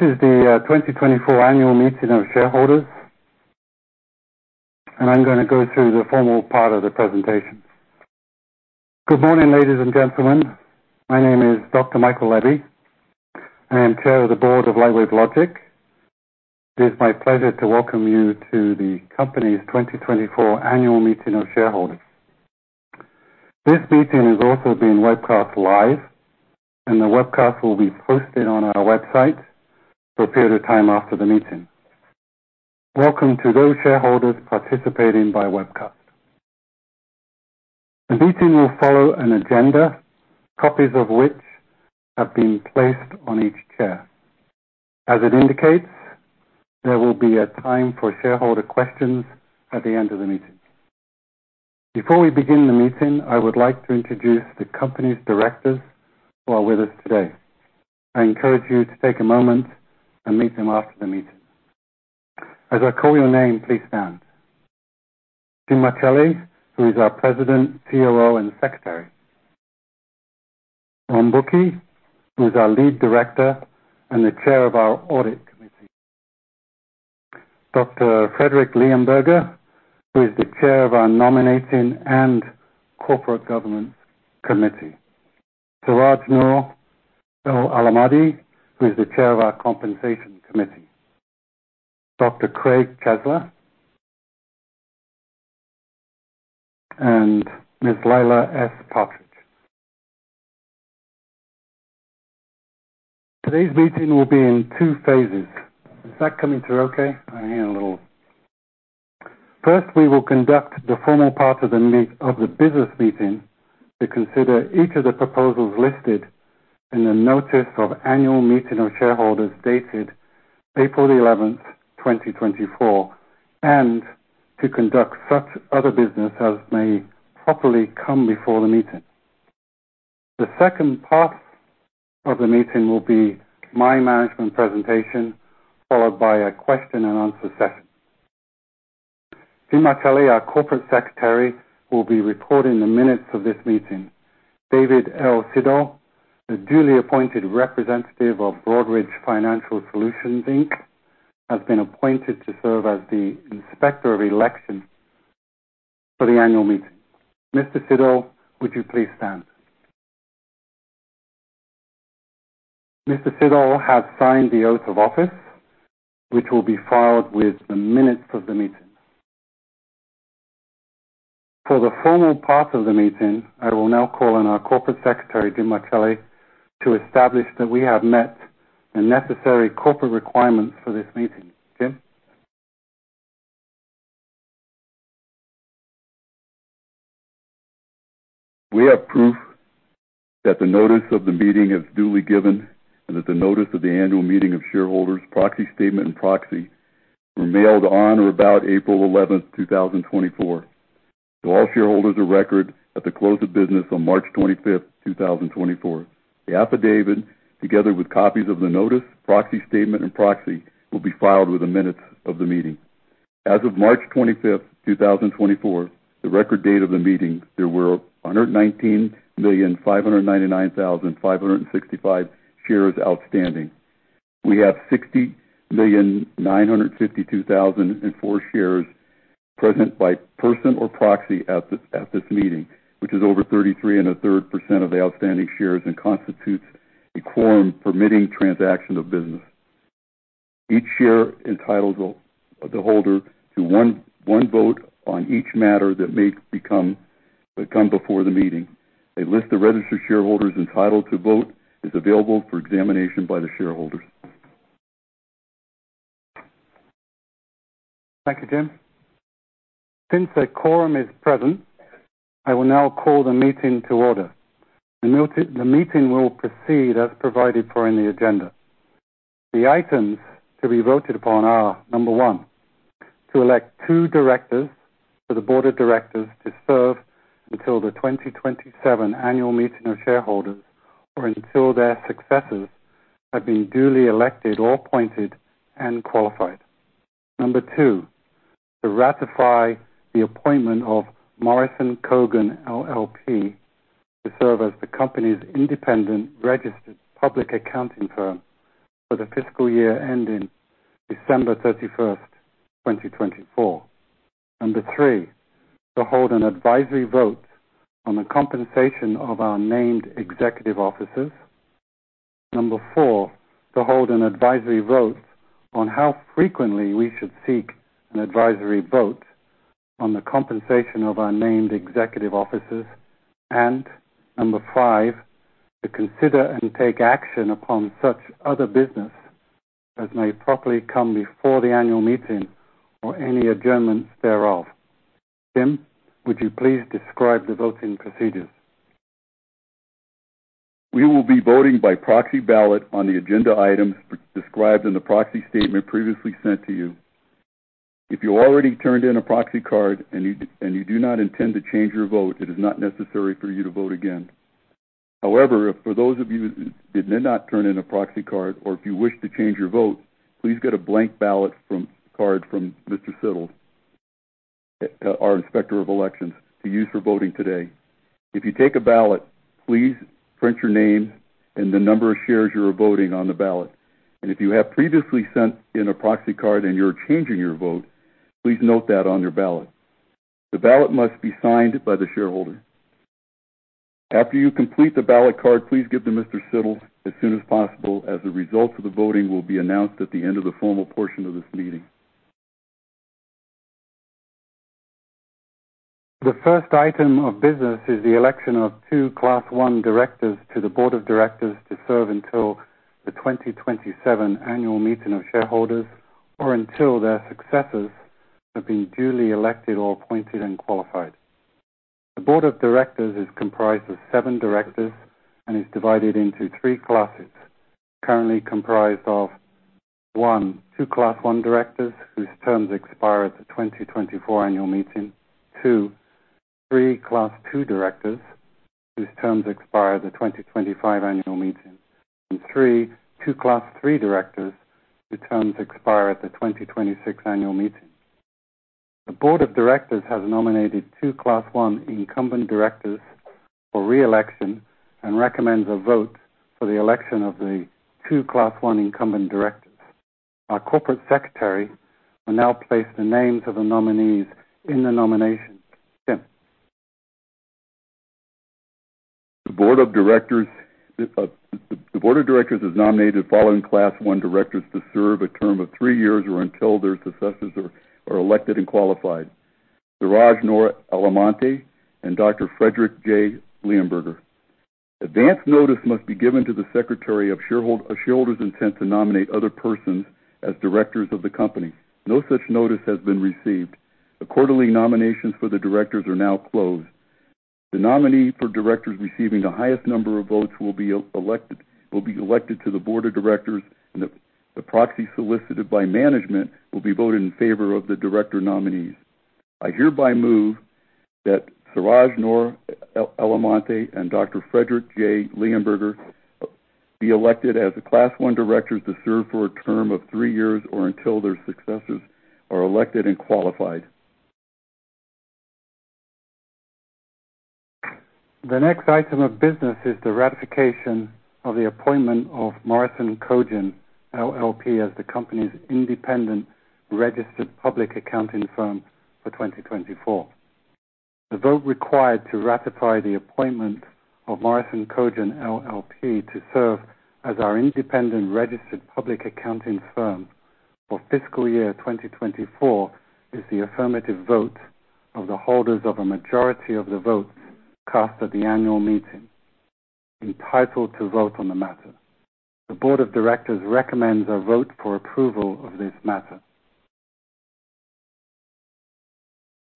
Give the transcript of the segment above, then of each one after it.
...This is the 2024 annual meeting of shareholders, and I'm going to go through the formal part of the presentation. Good morning, ladies and gentlemen. My name is Dr. Michael Lebby. I am Chair of the Board of Lightwave Logic. It is my pleasure to welcome you to the company's 2024 annual meeting of shareholders. This meeting is also being webcast live, and the webcast will be posted on our website for a period of time after the meeting. Welcome to those shareholders participating by webcast. The meeting will follow an agenda, copies of which have been placed on each chair. As it indicates, there will be a time for shareholder questions at the end of the meeting. Before we begin the meeting, I would like to introduce the company's directors who are with us today. I encourage you to take a moment and meet them after the meeting. As I call your name, please stand. Jim Marcelli, who is our President, COO, and Secretary. Ron Bucchi, who is our Lead Director and the Chair of our Audit Committee. Dr. Frederick Leonberger, who is the Chair of our Nominating and Corporate Governance Committee. Siraj Nour El-Ahmadi, who is the Chair of our Compensation Committee. Dr. Craig Ciesla. And Ms. Laila Partridge. Today's meeting will be in two phases. Is that coming through okay? First, we will conduct the formal part of the business meeting to consider each of the proposals listed in the notice of annual meeting of shareholders, dated April 11, 2024, and to conduct such other business as may properly come before the meeting. The second part of the meeting will be my management presentation, followed by a question and answer session. Jim Martelli, our Corporate Secretary, will be recording the minutes of this meeting. David Siddle, the duly appointed representative of Broadridge Financial Solutions, Inc., has been appointed to serve as the Inspector of Election for the annual meeting. Mr. Siddle, would you please stand? Mr. Siddle has signed the oath of office, which will be filed with the minutes of the meeting. For the formal part of the meeting, I will now call on our Corporate Secretary, Jim Martelli, to establish that we have met the necessary corporate requirements for this meeting. Jim? We have proof that the notice of the meeting is duly given and that the notice of the annual meeting of shareholders' proxy statement and proxy were mailed on or about April eleventh, two thousand twenty-four, to all shareholders of record at the close of business on March twenty-fifth, two thousand twenty-four. The affidavit, together with copies of the notice, proxy statement, and proxy, will be filed with the minutes of the meeting. As of March twenty-fifth, two thousand twenty-four, the record date of the meeting, there were 119,599,565 shares outstanding. We have 60,952,004 shares present by person or proxy at this meeting, which is over 33 1/3% of the outstanding shares and constitutes a quorum permitting transaction of business. Each share entitles the holder to one vote on each matter that may come before the meeting. A list of registered shareholders entitled to vote is available for examination by the shareholders. Thank you, Jim. Since the quorum is present, I will now call the meeting to order. The meeting will proceed as provided for in the agenda. The items to be voted upon are: number one, to elect two directors for the board of directors to serve until the 2027 annual meeting of shareholders, or until their successors have been duly elected or appointed and qualified. Number two, to ratify the appointment of Morison Cogen LLP to serve as the company's independent registered public accounting firm for the fiscal year ending December 31, 2024. Number three, to hold an advisory vote on the compensation of our named executive officers. Number four, to hold an advisory vote on how frequently we should seek an advisory vote on the compensation of our named executive officers. Number 5, to consider and take action upon such other business as may properly come before the annual meeting or any adjournment thereof. Jim, would you please describe the voting procedures? We will be voting by proxy ballot on the agenda items described in the proxy statement previously sent to you. If you already turned in a proxy card and you do not intend to change your vote, it is not necessary for you to vote again. However, if for those of you who did not turn in a proxy card or if you wish to change your vote, please get a blank ballot card from Mr. Siddle, our Inspector of Election, to use for voting today. If you take a ballot, please print your name and the number of shares you are voting on the ballot. If you have previously sent in a proxy card and you're changing your vote, please note that on your ballot. The ballot must be signed by the shareholder. After you complete the ballot card, please give to Mr. Siddle as soon as possible, as the results of the voting will be announced at the end of the formal portion of this meeting. The first item of business is the election of two Class I directors to the board of directors to serve until the 2027 Annual Meeting of Shareholders, or until their successors have been duly elected or appointed and qualified. The board of directors is comprised of seven directors and is divided into three classes, currently comprised of one, two Class I directors, whose terms expire at the 2024 annual meeting. Two, three Class II directors, whose terms expire at the 2025 annual meeting. And three, two Class III directors, whose terms expire at the 2026 annual meeting. The board of directors has nominated two Class I incumbent directors for re-election and recommends a vote for the election of the two Class I incumbent directors. Our Corporate Secretary will now place the names of the nominees in the nomination. Jim? The board of directors, the board of directors has nominated the following Class I directors to serve a term of three years or until their successors are, are elected and qualified: Siraj Nour El-Ahmadi and Dr. Frederick J. Leonberger. Advanced notice must be given to the Secretary of a shareholder's intent to nominate other persons as directors of the company. No such notice has been received. The quarterly nominations for the directors are now closed. The nominee for directors receiving the highest number of votes will be elected, will be elected to the board of directors, and the, the proxy solicited by management will be voted in favor of the director nominees. I hereby move that Siraj Nour El-Ahmadi and Dr. Frederick J. Leonberger be elected as the Class I directors to serve for a term of three years or until their successors are elected and qualified. The next item of business is the ratification of the appointment of Morison Cogen LLP as the company's independent registered public accounting firm for 2024. The vote required to ratify the appointment of Morison Cogen LLP to serve as our independent registered public accounting firm for fiscal year 2024 is the affirmative vote of the holders of a majority of the votes cast at the annual meeting, entitled to vote on the matter. The board of directors recommends a vote for approval of this matter.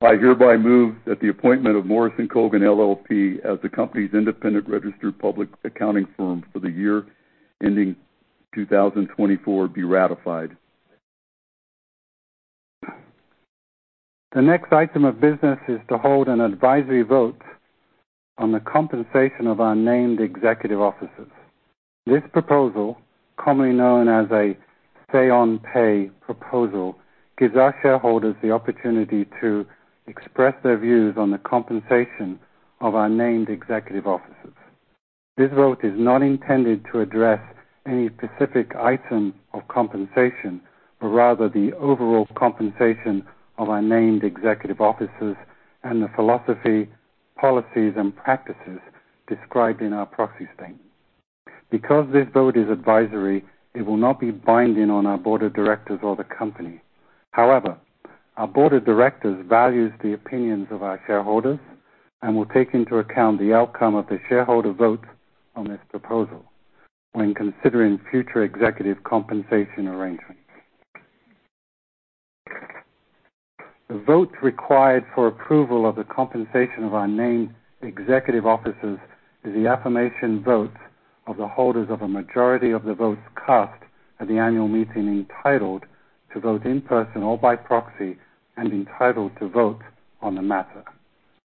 I hereby move that the appointment of Morison Cogen LLP as the company's independent registered public accounting firm for the year ending 2024 be ratified. The next item of business is to hold an advisory vote on the compensation of our named executive officers. This proposal, commonly known as a say-on-pay proposal, gives our shareholders the opportunity to express their views on the compensation of our named executive officers. This vote is not intended to address any specific item of compensation, but rather the overall compensation of our named executive officers and the philosophy, policies, and practices described in our proxy statement. Because this vote is advisory, it will not be binding on our board of directors or the company. However, our board of directors values the opinions of our shareholders and will take into account the outcome of the shareholder vote on this proposal when considering future executive compensation arrangements. The votes required for approval of the compensation of our named executive officers is the affirmative vote of the holders of a majority of the votes cast at the annual meeting, entitled to vote in person or by proxy and entitled to vote on the matter.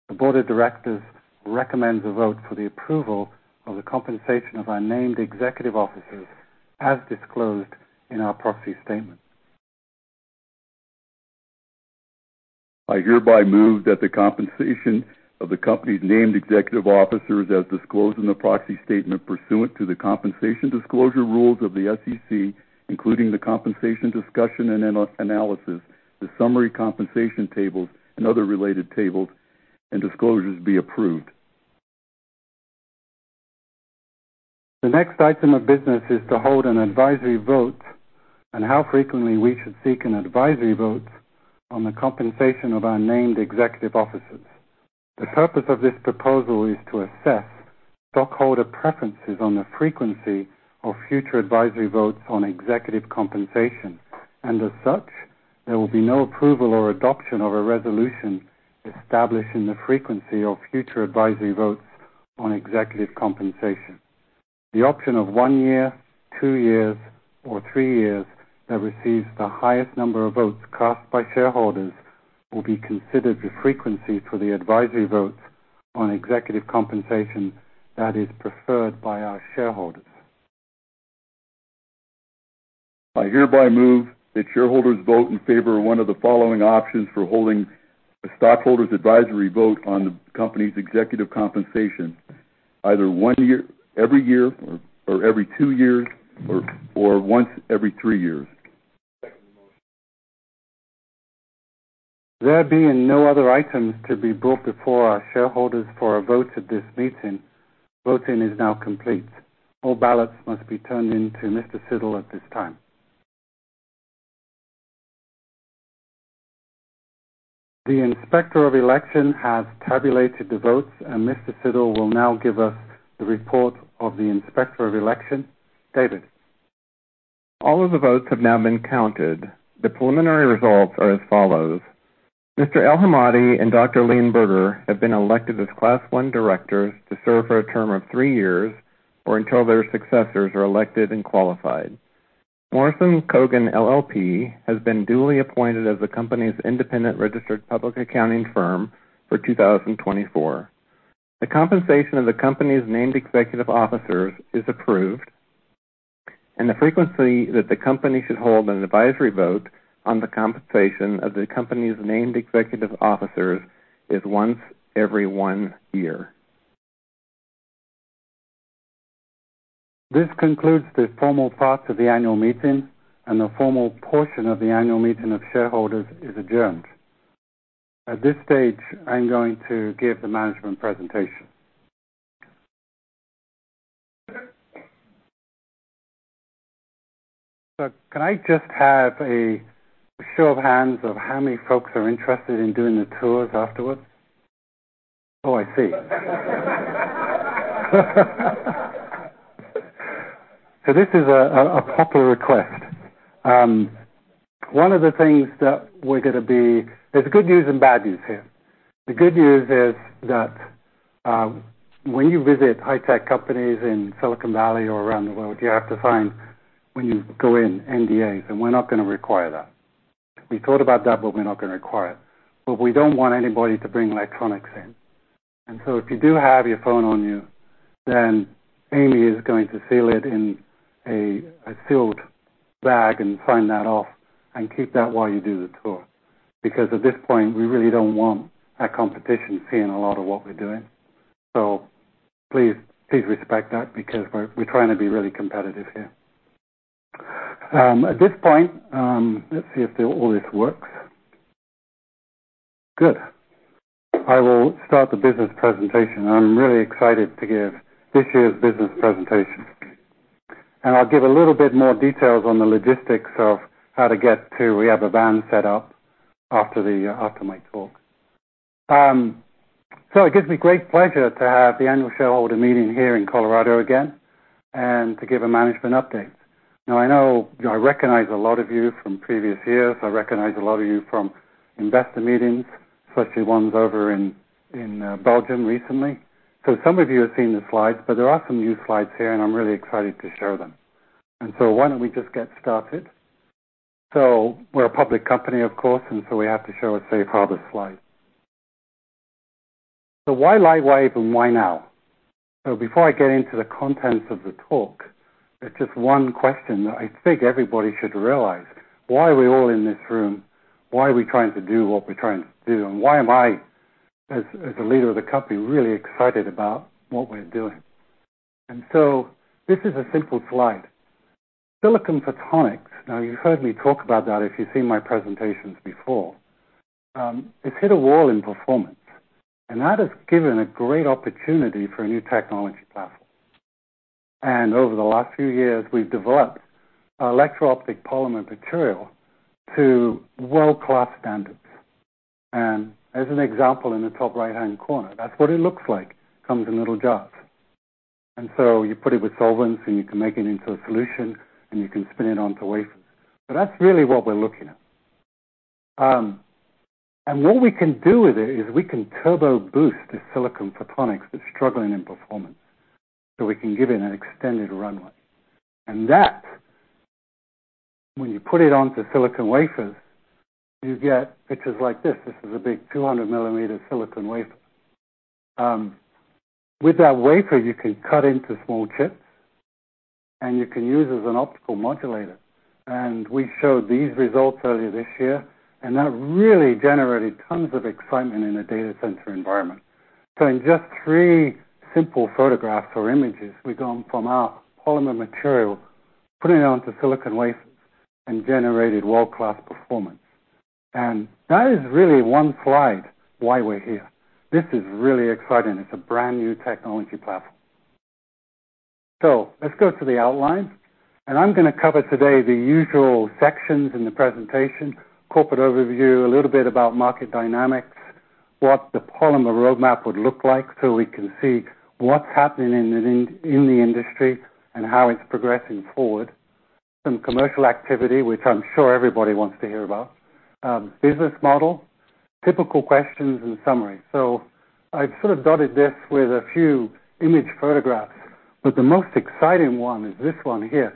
The Board of Directors recommends a vote for the approval of the compensation of our named executive officers as disclosed in our proxy statement. I hereby move that the compensation of the company's named executive officers, as disclosed in the proxy statement pursuant to the compensation disclosure rules of the SEC, including the compensation discussion and analysis, the summary compensation tables, and other related tables and disclosures be approved. The next item of business is to hold an advisory vote on how frequently we should seek an advisory vote on the compensation of our named executive officers. The purpose of this proposal is to assess stockholder preferences on the frequency of future advisory votes on executive compensation, and as such, there will be no approval or adoption of a resolution establishing the frequency of future advisory votes on executive compensation. The option of one year, two years, or three years, that receives the highest number of votes cast by shareholders, will be considered the frequency for the advisory votes on executive compensation that is preferred by our shareholders.... I hereby move that shareholders vote in favor of one of the following options for holding the stockholders' advisory vote on the company's executive compensation, either 1 year, every year, or every 2 years, or, or once every 3 years. There being no other items to be brought before our shareholders for a vote at this meeting, voting is now complete. All ballots must be turned in to Mr. Siddle at this time. The Inspector of Election has tabulated the votes, and Mr. Siddle will now give us the report of the Inspector of Election. David? All of the votes have now been counted. The preliminary results are as follows: Mr. El-Ahmadi and Dr. Leonberger have been elected as Class One directors to serve for a term of three years, or until their successors are elected and qualified. Morison Cogen LLP has been duly appointed as the company's independent registered public accounting firm for 2024. The compensation of the company's named executive officers is approved, and the frequency that the company should hold an advisory vote on the compensation of the company's named executive officers is once every one year. This concludes the formal part of the annual meeting, and the formal portion of the annual meeting of shareholders is adjourned. At this stage, I'm going to give the management presentation. So can I just have a show of hands of how many folks are interested in doing the tours afterwards? Oh, I see. So this is a popular request. One of the things that we're gonna be... There's good news and bad news here. The good news is that, when you visit high-tech companies in Silicon Valley or around the world, you have to sign, when you go in, NDAs, and we're not gonna require that. We thought about that, but we're not gonna require it. But we don't want anybody to bring electronics in. And so if you do have your phone on you, then Amy is going to seal it in a sealed bag and sign that off and keep that while you do the tour. Because at this point, we really don't want our competition seeing a lot of what we're doing. So please, please respect that because we're trying to be really competitive here. At this point, let's see if all this works. Good. I will start the business presentation. I'm really excited to give this year's business presentation, and I'll give a little bit more details on the logistics of how to get to... We have a van set up after the, after my talk. So it gives me great pleasure to have the annual shareholder meeting here in Colorado again and to give a management update. Now, I know, I recognize a lot of you from previous years. I recognize a lot of you from investor meetings, especially ones over in Belgium recently. So some of you have seen the slides, but there are some new slides here, and I'm really excited to show them. And so why don't we just get started? So we're a public company, of course, and so we have to show a safe harbor slide. So why Lightwave and why now? So before I get into the contents of the talk, it's just one question that I think everybody should realize. Why are we all in this room? Why are we trying to do what we're trying to do? And why am I, as the leader of the company, really excited about what we're doing? And so this is a simple slide. Silicon photonics, now, you've heard me talk about that if you've seen my presentations before. It's hit a wall in performance, and that has given a great opportunity for a new technology platform. Over the last few years, we've developed our electro-optic polymer material to world-class standards. As an example, in the top right-hand corner, that's what it looks like. Comes in little jars. So you put it with solvents, and you can make it into a solution, and you can spin it onto wafers. So that's really what we're looking at. And what we can do with it is we can turbo boost the silicon photonics that's struggling in performance, so we can give it an extended runway. And that, when you put it onto silicon wafers, you get pictures like this. This is a big 200-millimeter silicon wafer. With that wafer, you can cut into small chips, and you can use as an optical modulator. And we showed these results earlier this year, and that really generated tons of excitement in the data center environment. So in just three simple photographs or images, we've gone from our polymer material, putting it onto silicon wafers, and generated world-class performance. And that is really one slide, why we're here. This is really exciting. It's a brand-new technology platform. So let's go to the outline. And I'm gonna cover today the usual sections in the presentation, corporate overview, a little bit about market dynamics, what the polymer roadmap would look like, so we can see what's happening in the industry and how it's progressing forward. Some commercial activity, which I'm sure everybody wants to hear about. Business model, typical questions and summary. So I've sort of dotted this with a few image photographs, but the most exciting one is this one here.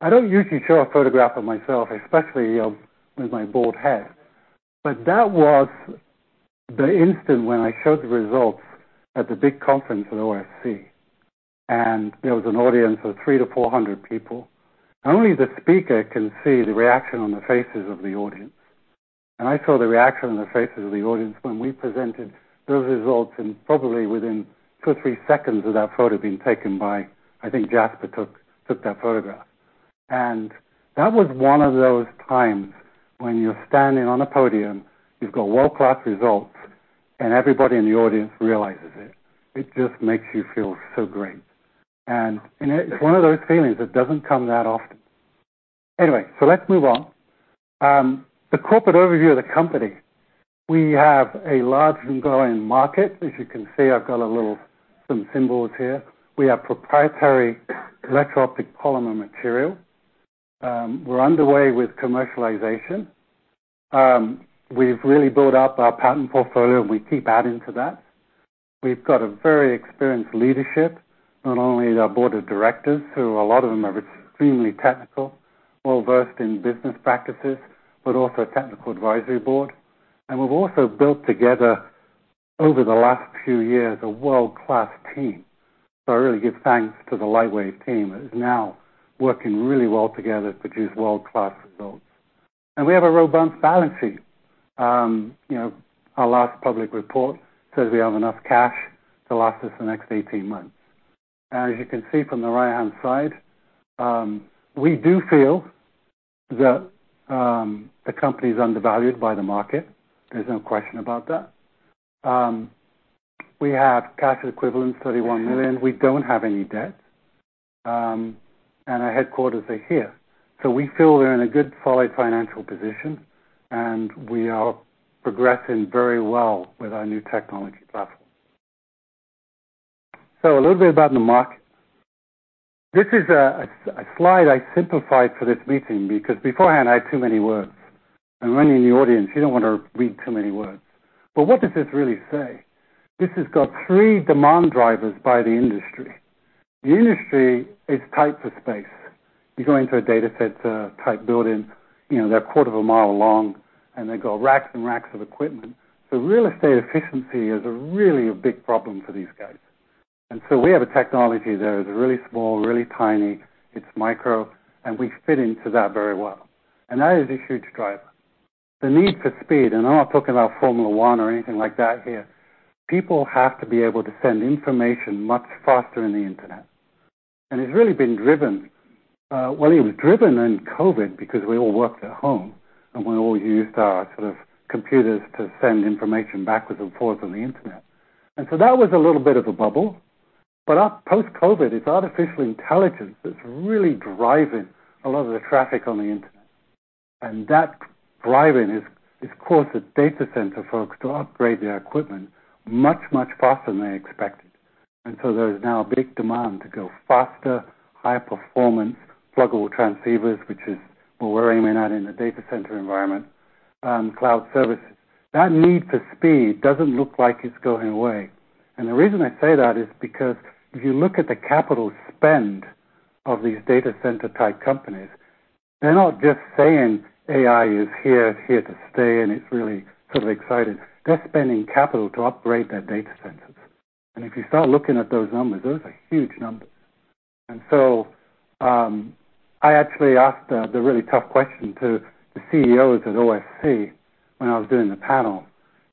I don't usually show a photograph of myself, especially with my bald head, but that was the instant when I showed the results at the big conference at OFC, and there was an audience of 300-400 people. Only the speaker can see the reaction on the faces of the audience. And I saw the reaction on the faces of the audience when we presented those results, and probably within 2 or 3 seconds of that photo being taken by, I think Jasper took that photograph. And that was one of those times when you're standing on a podium, you've got world-class results, and everybody in the audience realizes it. It just makes you feel so great. And it's one of those feelings that doesn't come that often. Anyway, so let's move on. The corporate overview of the company. We have a large and growing market. As you can see, I've got a little, some symbols here. We have proprietary electro-optic polymer material. We're underway with commercialization. We've really built up our patent portfolio, and we keep adding to that. We've got a very experienced leadership, not only our board of directors, who a lot of them are extremely technical, well-versed in business practices, but also a technical advisory board. And we've also built together, over the last few years, a world-class team. So I really give thanks to the Lightwave team, that is now working really well together to produce world-class results. And we have a robust balance sheet. You know, our last public report says we have enough cash to last us the next 18 months. As you can see from the right-hand side, we do feel that the company is undervalued by the market. There's no question about that. We have cash equivalents, $31 million. We don't have any debt, and our headquarters are here. So we feel we're in a good, solid financial position, and we are progressing very well with our new technology platform. So a little bit about the market. This is a slide I simplified for this meeting because beforehand I had too many words, and when you're in the audience, you don't want to read too many words. But what does this really say? This has got three demand drivers by the industry. The industry is tight for space. You go into a data center type building, you know, they're a quarter of a mile long, and they've got racks and racks of equipment. So real estate efficiency is really a big problem for these guys. And so we have a technology that is really small, really tiny, it's micro, and we fit into that very well. And that is a huge driver. The need for speed, and I'm not talking about Formula One or anything like that here. People have to be able to send information much faster in the internet. And it's really been driven, well, it was driven in COVID because we all worked at home, and we all used our sort of computers to send information back and forth on the internet. That was a little bit of a bubble, but up post-COVID, it's artificial intelligence that's really driving a lot of the traffic on the internet. That driving has caused the data center folks to upgrade their equipment much, much faster than they expected. There is now a big demand to go faster, higher performance, pluggable transceivers, which is where we're aiming at in the data center environment, cloud services. That need for speed doesn't look like it's going away. The reason I say that is because if you look at the capital spend of these data center type companies, they're not just saying AI is here, it's here to stay, and it's really sort of exciting. They're spending capital to upgrade their data centers. If you start looking at those numbers, those are huge numbers. And so, I actually asked the really tough question to the CEOs at OFC when I was doing the panel: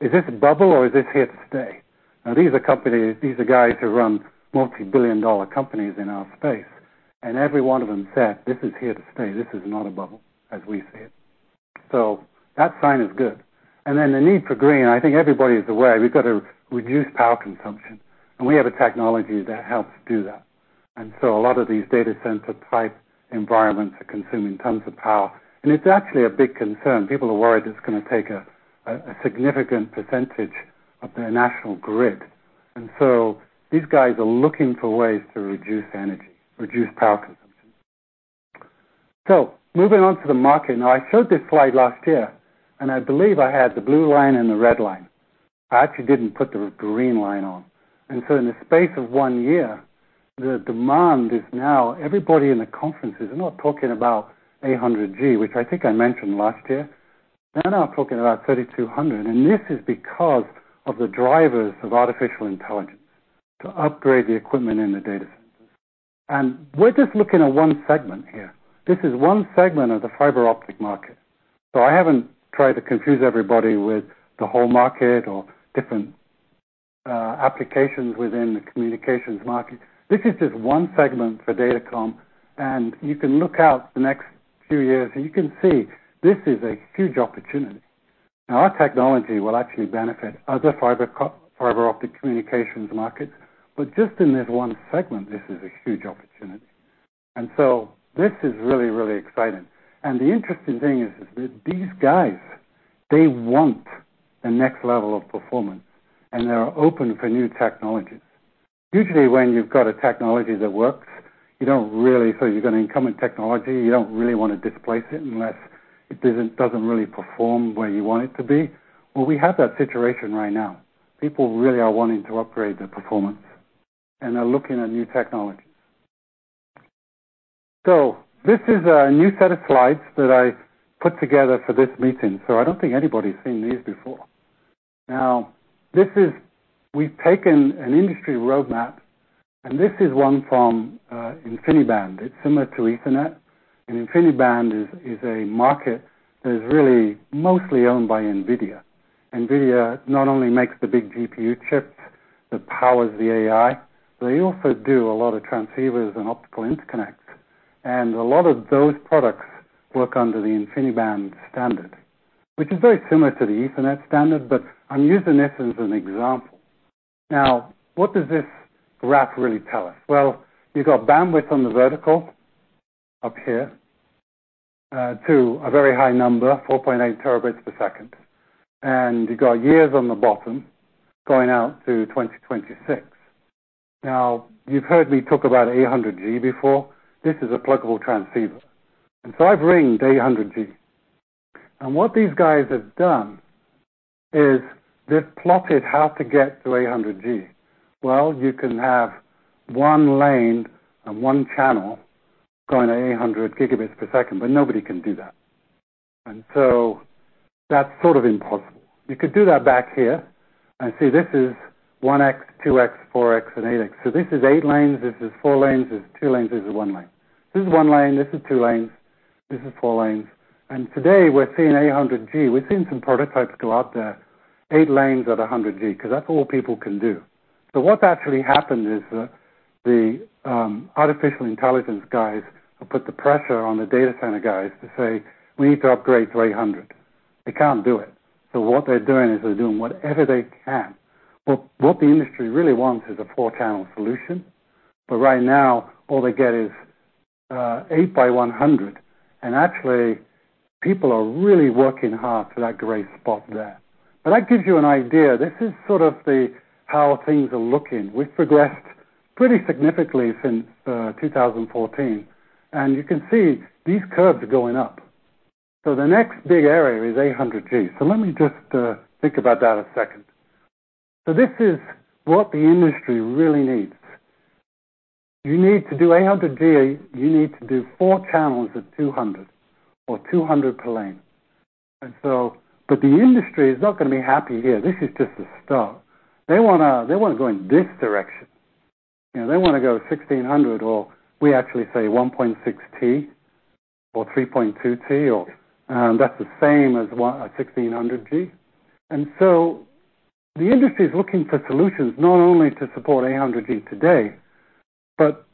Is this a bubble or is this here to stay? Now, these are companies, these are guys who run multi-billion dollar companies in our space, and every one of them said, "This is here to stay. This is not a bubble, as we see it." So that sign is good. And then the need for green, I think everybody is aware we've got to reduce power consumption, and we have a technology that helps do that. And so a lot of these data center type environments are consuming tons of power, and it's actually a big concern. People are worried it's gonna take a significant percentage of their national grid. And so these guys are looking for ways to reduce energy, reduce power consumption. So moving on to the market. Now, I showed this slide last year, and I believe I had the blue line and the red line. I actually didn't put the green line on. And so in the space of one year, the demand is now everybody in the conference is not talking about 800 G, which I think I mentioned last year. They're now talking about 3,200, and this is because of the drivers of artificial intelligence to upgrade the equipment in the data centers. And we're just looking at one segment here. This is one segment of the fiber optic market. So I haven't tried to confuse everybody with the whole market or different applications within the communications market. This is just one segment for Datacom, and you can look out the next few years, and you can see this is a huge opportunity. Now, our technology will actually benefit other fiber optic communications markets, but just in this one segment, this is a huge opportunity. And so this is really, really exciting. And the interesting thing is that these guys, they want the next level of performance, and they're open for new technologies. Usually, when you've got a technology that works, you don't really... So you've got an incumbent technology, you don't really want to displace it unless it doesn't, doesn't really perform where you want it to be. Well, we have that situation right now. People really are wanting to upgrade their performance, and they're looking at new technology.... So this is a new set of slides that I put together for this meeting, so I don't think anybody's seen these before. Now, this is. We've taken an industry roadmap, and this is one from InfiniBand. It's similar to Ethernet, and InfiniBand is a market that is really mostly owned by NVIDIA. NVIDIA not only makes the big GPU chips that powers the AI, they also do a lot of transceivers and optical interconnects. And a lot of those products work under the InfiniBand standard, which is very similar to the Ethernet standard, but I'm using this as an example. Now, what does this graph really tell us? Well, you've got bandwidth on the vertical up here to a very high number, 4.8 Tb/s. And you've got years on the bottom, going out to 2026. Now, you've heard me talk about 800 G before. This is a pluggable transceiver. And so I've ringed 800 G. And what these guys have done is they've plotted how to get to 800 G. Well, you can have 1 lane and 1 channel going at 800 Gbps, but nobody can do that. And so that's sort of impossible. You could do that back here, and see, this is 1x, 2x, 4x, and 8x. So this is 8 lanes, this is 4 lanes, this is 2 lanes, this is 1 lane. This is 1 lane, this is 2 lanes, this is 4 lanes. And today, we're seeing 800 G. We've seen some prototypes go out there, 8 lanes at 100 G, 'cause that's all people can do. So what's actually happened is the, the, artificial intelligence guys have put the pressure on the data center guys to say, "We need to upgrade to 800." They can't do it. So what they're doing is they're doing whatever they can. Well, what the industry really wants is a four-channel solution, but right now, all they get is, eight by 100. And actually, people are really working hard to that gray spot there. But that gives you an idea. This is sort of the, how things are looking. We've progressed pretty significantly since, 2014, and you can see these curves are going up. So the next big area is 800 G. So let me just, think about that a second. So this is what the industry really needs. You need to do 800 G, you need to do four channels of 200 or 200 per lane. And so, but the industry is not gonna be happy here. This is just a start. They wanna, they wanna go in this direction. You know, they wanna go 1600, or we actually say 1.6 T or 3.2 T, or that's the same as 1,600 G. And so the industry is looking for solutions not only to support 800 G today, but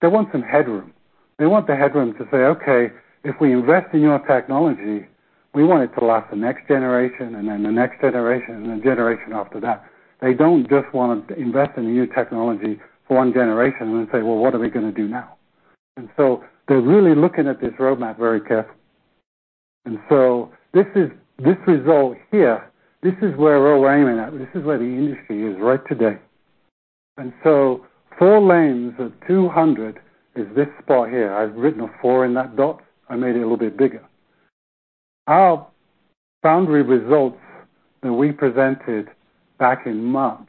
they want some headroom. They want the headroom to say, "Okay, if we invest in your technology, we want it to last the next generation and then the next generation, and the generation after that." They don't just wanna invest in a new technology for one generation and then say, "Well, what are we gonna do now?" And so they're really looking at this roadmap very carefully. And so this is, this result here, this is where we're aiming at. This is where the industry is right today. And so four lanes of 200 is this spot here. I've written a four in that dot. I made it a little bit bigger. Our foundry results that we presented back in March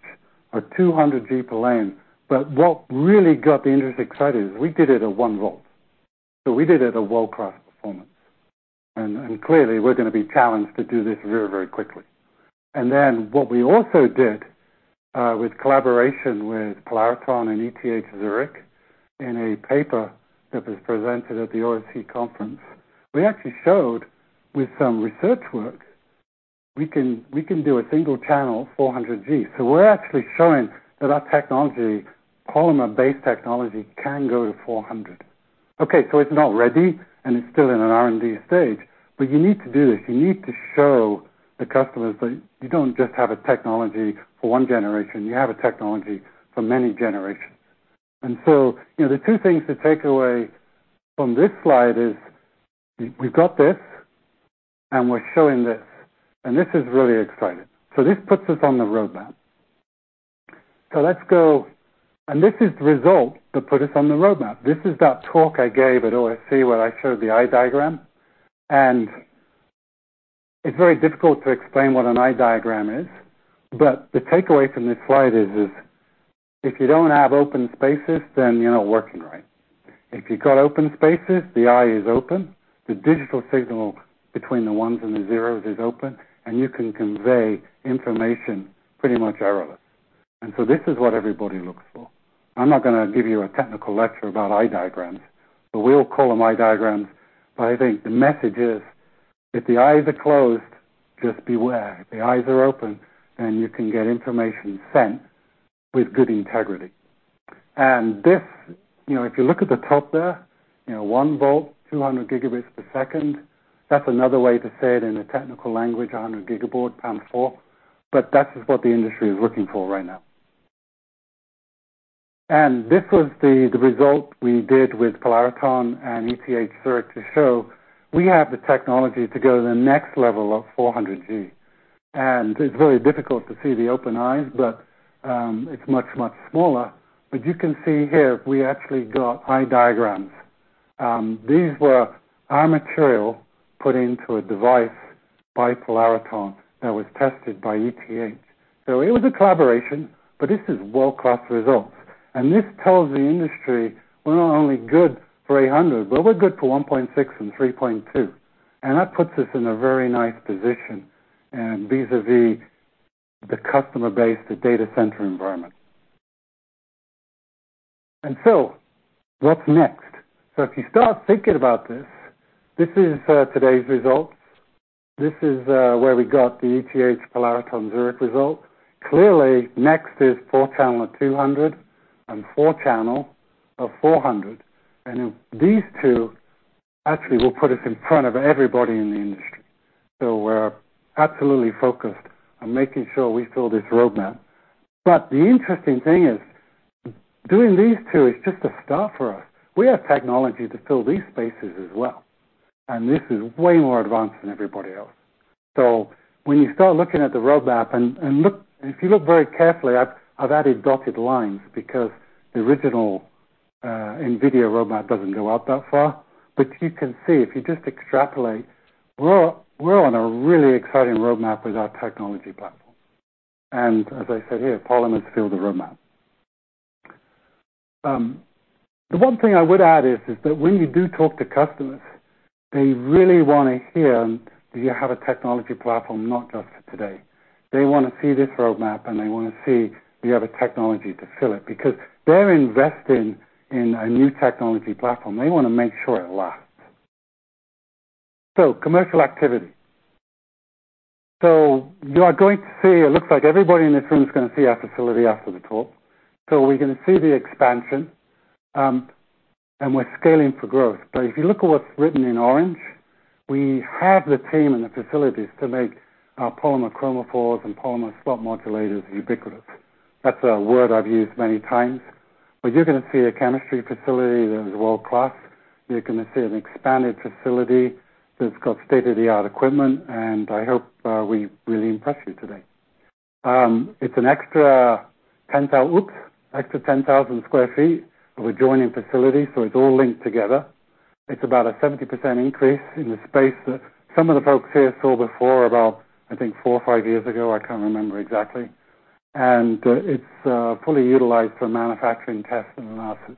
are 200 G per lane, but what really got the industry excited is we did it at 1 volt. So we did it at a world-class performance. And, and clearly, we're gonna be challenged to do this very, very quickly. And then, what we also did, with collaboration with Polariton and ETH Zurich, in a paper that was presented at the OFC conference, we actually showed, with some research work, we can, we can do a single channel, 400 G. So we're actually showing that our technology, polymer-based technology, can go to 400. Okay, so it's not ready, and it's still in an R&D stage, but you need to do this. You need to show the customers that you don't just have a technology for one generation, you have a technology for many generations. And so, you know, the two things to take away from this slide is, we've got this, and we're showing this, and this is really exciting. So this puts us on the roadmap. So let's go... And this is the result that put us on the roadmap. This is that talk I gave at OFC, where I showed the eye diagram. And it's very difficult to explain what an eye diagram is, but the takeaway from this slide is, if you don't have open spaces, then you're not working right. If you've got open spaces, the eye is open, the digital signal between the ones and the zeros is open, and you can convey information pretty much errorless. And so this is what everybody looks for. I'm not gonna give you a technical lecture about eye diagrams, but we'll call them eye diagrams. But I think the message is, if the eyes are closed, just beware. If the eyes are open, then you can get information sent with good integrity. And this, you know, if you look at the top there, you know, one volt, 200 Gbps, that's another way to say it in a technical language, 100 gigabaud × 4. But that is what the industry is looking for right now. And this was the result we did with Polariton and ETH Zurich to show we have the technology to go to the next level of 400G. And it's very difficult to see the open eyes, but it's much, much smaller. But you can see here, we actually got eye diagrams. These were our material put into a device by Polariton that was tested by ETH. So it was a collaboration, but this is world-class results, and this tells the industry we're not only good for 800, but we're good for 1.6 and 3.2. And that puts us in a very nice position vis-à-vis the customer base, the data center environment. So what's next? So if you start thinking about this, this is today's results. This is where we got the ETH Polariton Zurich result. Clearly, next is 4-channel at 200 and 4-channel of 400, and these two actually will put us in front of everybody in the industry. So we're absolutely focused on making sure we fill this roadmap. But the interesting thing is, doing these two is just a start for us. We have technology to fill these spaces as well, and this is way more advanced than everybody else. So when you start looking at the roadmap and look—if you look very carefully, I've added dotted lines because the original NVIDIA roadmap doesn't go out that far. But you can see, if you just extrapolate, we're on a really exciting roadmap with our technology platform. And as I said here, polymers fill the roadmap. The one thing I would add is that when you do talk to customers, they really wanna hear, do you have a technology platform, not just for today? They wanna see this roadmap, and they wanna see the other technology to fill it, because they're investing in a new technology platform. They wanna make sure it lasts. So commercial activity. So you are going to see, it looks like everybody in this room is gonna see our facility after the talk. So we're gonna see the expansion, and we're scaling for growth. But if you look at what's written in orange, we have the team and the facilities to make our polymer chromophores and polymer slot modulators ubiquitous. That's a word I've used many times, but you're gonna see a chemistry facility that is world-class. You're gonna see an expanded facility that's got state-of-the-art equipment, and I hope we really impress you today. It's an extra 10,000 sq ft of adjoining facilities, so it's all linked together. It's about a 70% increase in the space that some of the folks here saw before, about, I think, 4 or 5 years ago. I can't remember exactly. It's fully utilized for manufacturing, testing, and analysis.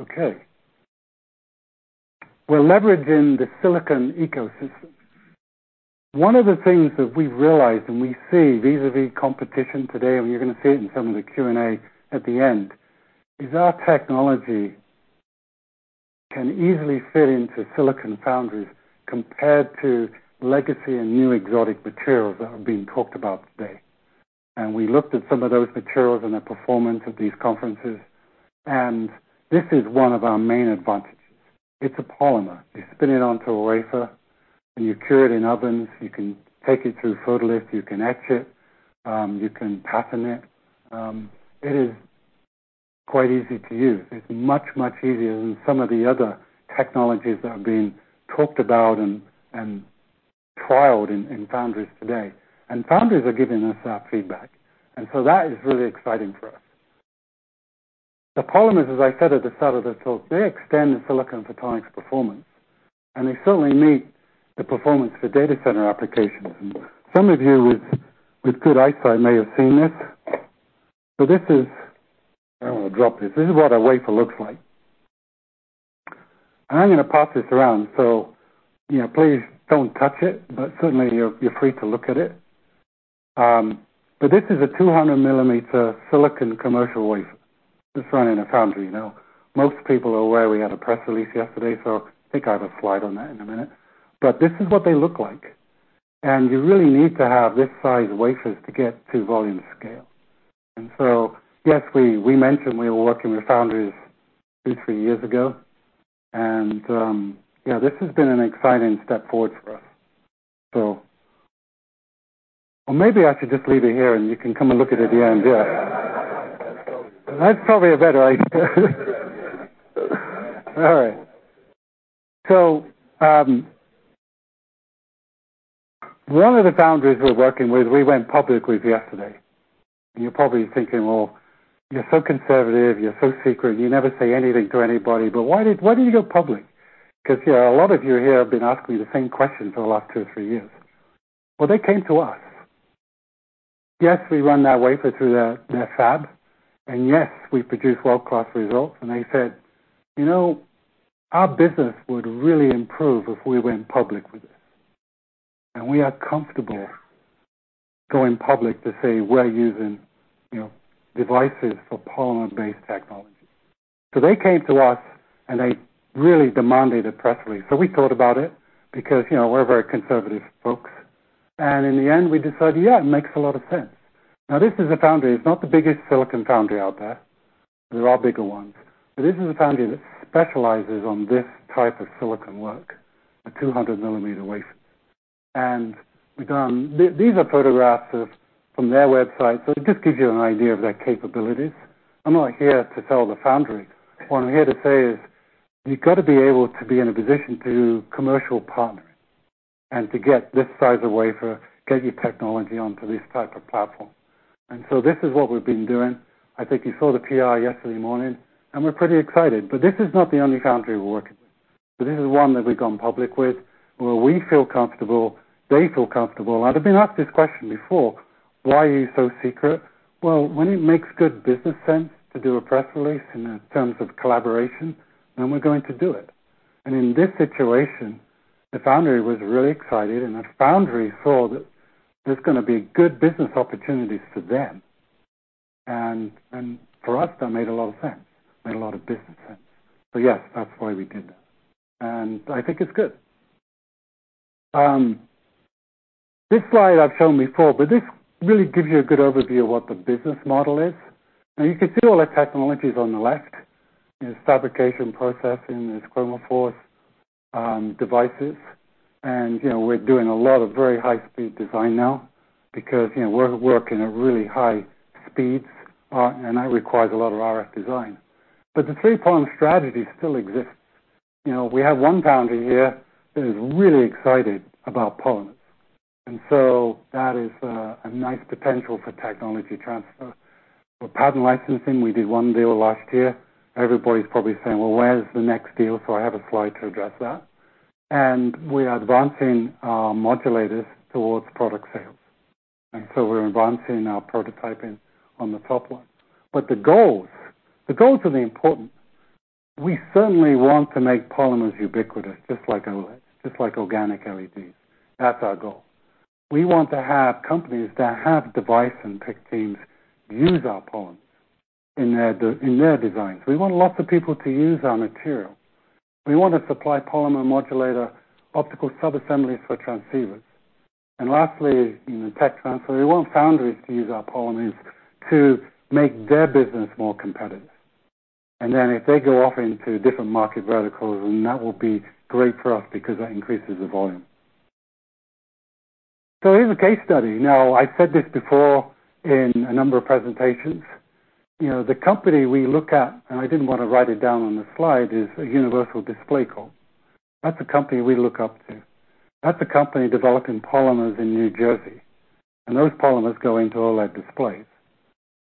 Okay. We're leveraging the silicon ecosystem. One of the things that we've realized, and we see vis-à-vis competition today, and you're gonna see it in some of the Q&A at the end, is our technology can easily fit into silicon foundries compared to legacy and new exotic materials that are being talked about today. And we looked at some of those materials and the performance at these conferences, and this is one of our main advantages. It's a polymer. You spin it onto a wafer, and you cure it in ovens. You can take it through photolith. You can etch it. You can pattern it. It is quite easy to use. It's much, much easier than some of the other technologies that are being talked about and trialed in foundries today. Foundries are giving us that feedback, and so that is really exciting for us. The polymers, as I said at the start of this talk, they extend the silicon photonics performance, and they certainly meet the performance for data center applications. Some of you with good eyesight may have seen this, so this is... I don't want to drop this. This is what a wafer looks like. I'm gonna pass this around, so, you know, please don't touch it, but certainly, you're free to look at it. But this is a 200-millimeter silicon commercial wafer. This is run in a foundry now. Most people are aware we had a press release yesterday, so I think I have a slide on that in a minute. But this is what they look like, and you really need to have this size wafers to get to volume scale. And so, yes, we mentioned we were working with foundries 2-3 years ago, and yeah, this has been an exciting step forward for us. So... Or maybe I should just leave it here, and you can come and look at it at the end. Yeah. That's probably a better idea. All right. So, one of the foundries we're working with, we went public with yesterday. You're probably thinking, Well, you're so conservative, you're so secret, you never say anything to anybody, but why did-- why did you go public? Because, yeah, a lot of you here have been asking me the same question for the last 2 or 3 years. Well, they came to us. Yes, we run that wafer through their fab, and yes, we produce world-class results, and they said, "You know, our business would really improve if we went public with this, and we are comfortable going public to say we're using, you know, devices for polymer-based technology." So they came to us, and they really demanded a press release. So we thought about it because, you know, we're very conservative folks, and in the end, we decided, yeah, it makes a lot of sense. Now, this is a foundry. It's not the biggest silicon foundry out there. There are bigger ones, but this is a foundry that specializes on this type of silicon work, a 200-millimeter wafer. These are photographs of, from their website, so it just gives you an idea of their capabilities. I'm not here to sell the foundry. What I'm here to say is, you've got to be able to be in a position to commercial partners and to get this size of wafer, get your technology onto this type of platform. And so this is what we've been doing. I think you saw the PR yesterday morning, and we're pretty excited. But this is not the only foundry we're working with. So this is one that we've gone public with, where we feel comfortable, they feel comfortable. And I've been asked this question before: Why are you so secret? Well, when it makes good business sense to do a press release in terms of collaboration, then we're going to do it. And in this situation, the foundry was really excited, and the foundry saw that there's gonna be good business opportunities for them. And for us, that made a lot of sense, made a lot of business sense. So yes, that's why we did that, and I think it's good. This slide I've shown before, but this really gives you a good overview of what the business model is. Now, you can see all the technologies on the left, there's fabrication, processing, there's chromophore, devices. And, you know, we're doing a lot of very high-speed design now because, you know, we're working at really high speeds, and that requires a lot of RF design. But the three-prong strategy still exists. You know, we have one foundry here that is really excited about polymers, and so that is, a nice potential for technology transfer. For patent licensing, we did one deal last year. Everybody's probably saying, "Well, where's the next deal?" So I have a slide to address that. We are advancing modulators towards product sales, and so we're advancing our prototyping on the top line. But the goals, the goals are the important. We certainly want to make polymers ubiquitous, just like organic LEDs. That's our goal. We want to have companies that have device and tech teams use our polymers in their designs. We want lots of people to use our material. We want to supply polymer modulator optical sub-assemblies for transceivers. And lastly, in the tech transfer, we want foundries to use our polymers to make their business more competitive. And then if they go off into different market verticals, then that will be great for us because that increases the volume. So here's a case study. Now, I've said this before in a number of presentations. You know, the company we look at, and I didn't want to write it down on the slide, is a Universal Display Corp. That's a company we look up to. That's a company developing polymers in New Jersey, and those polymers go into OLED displays.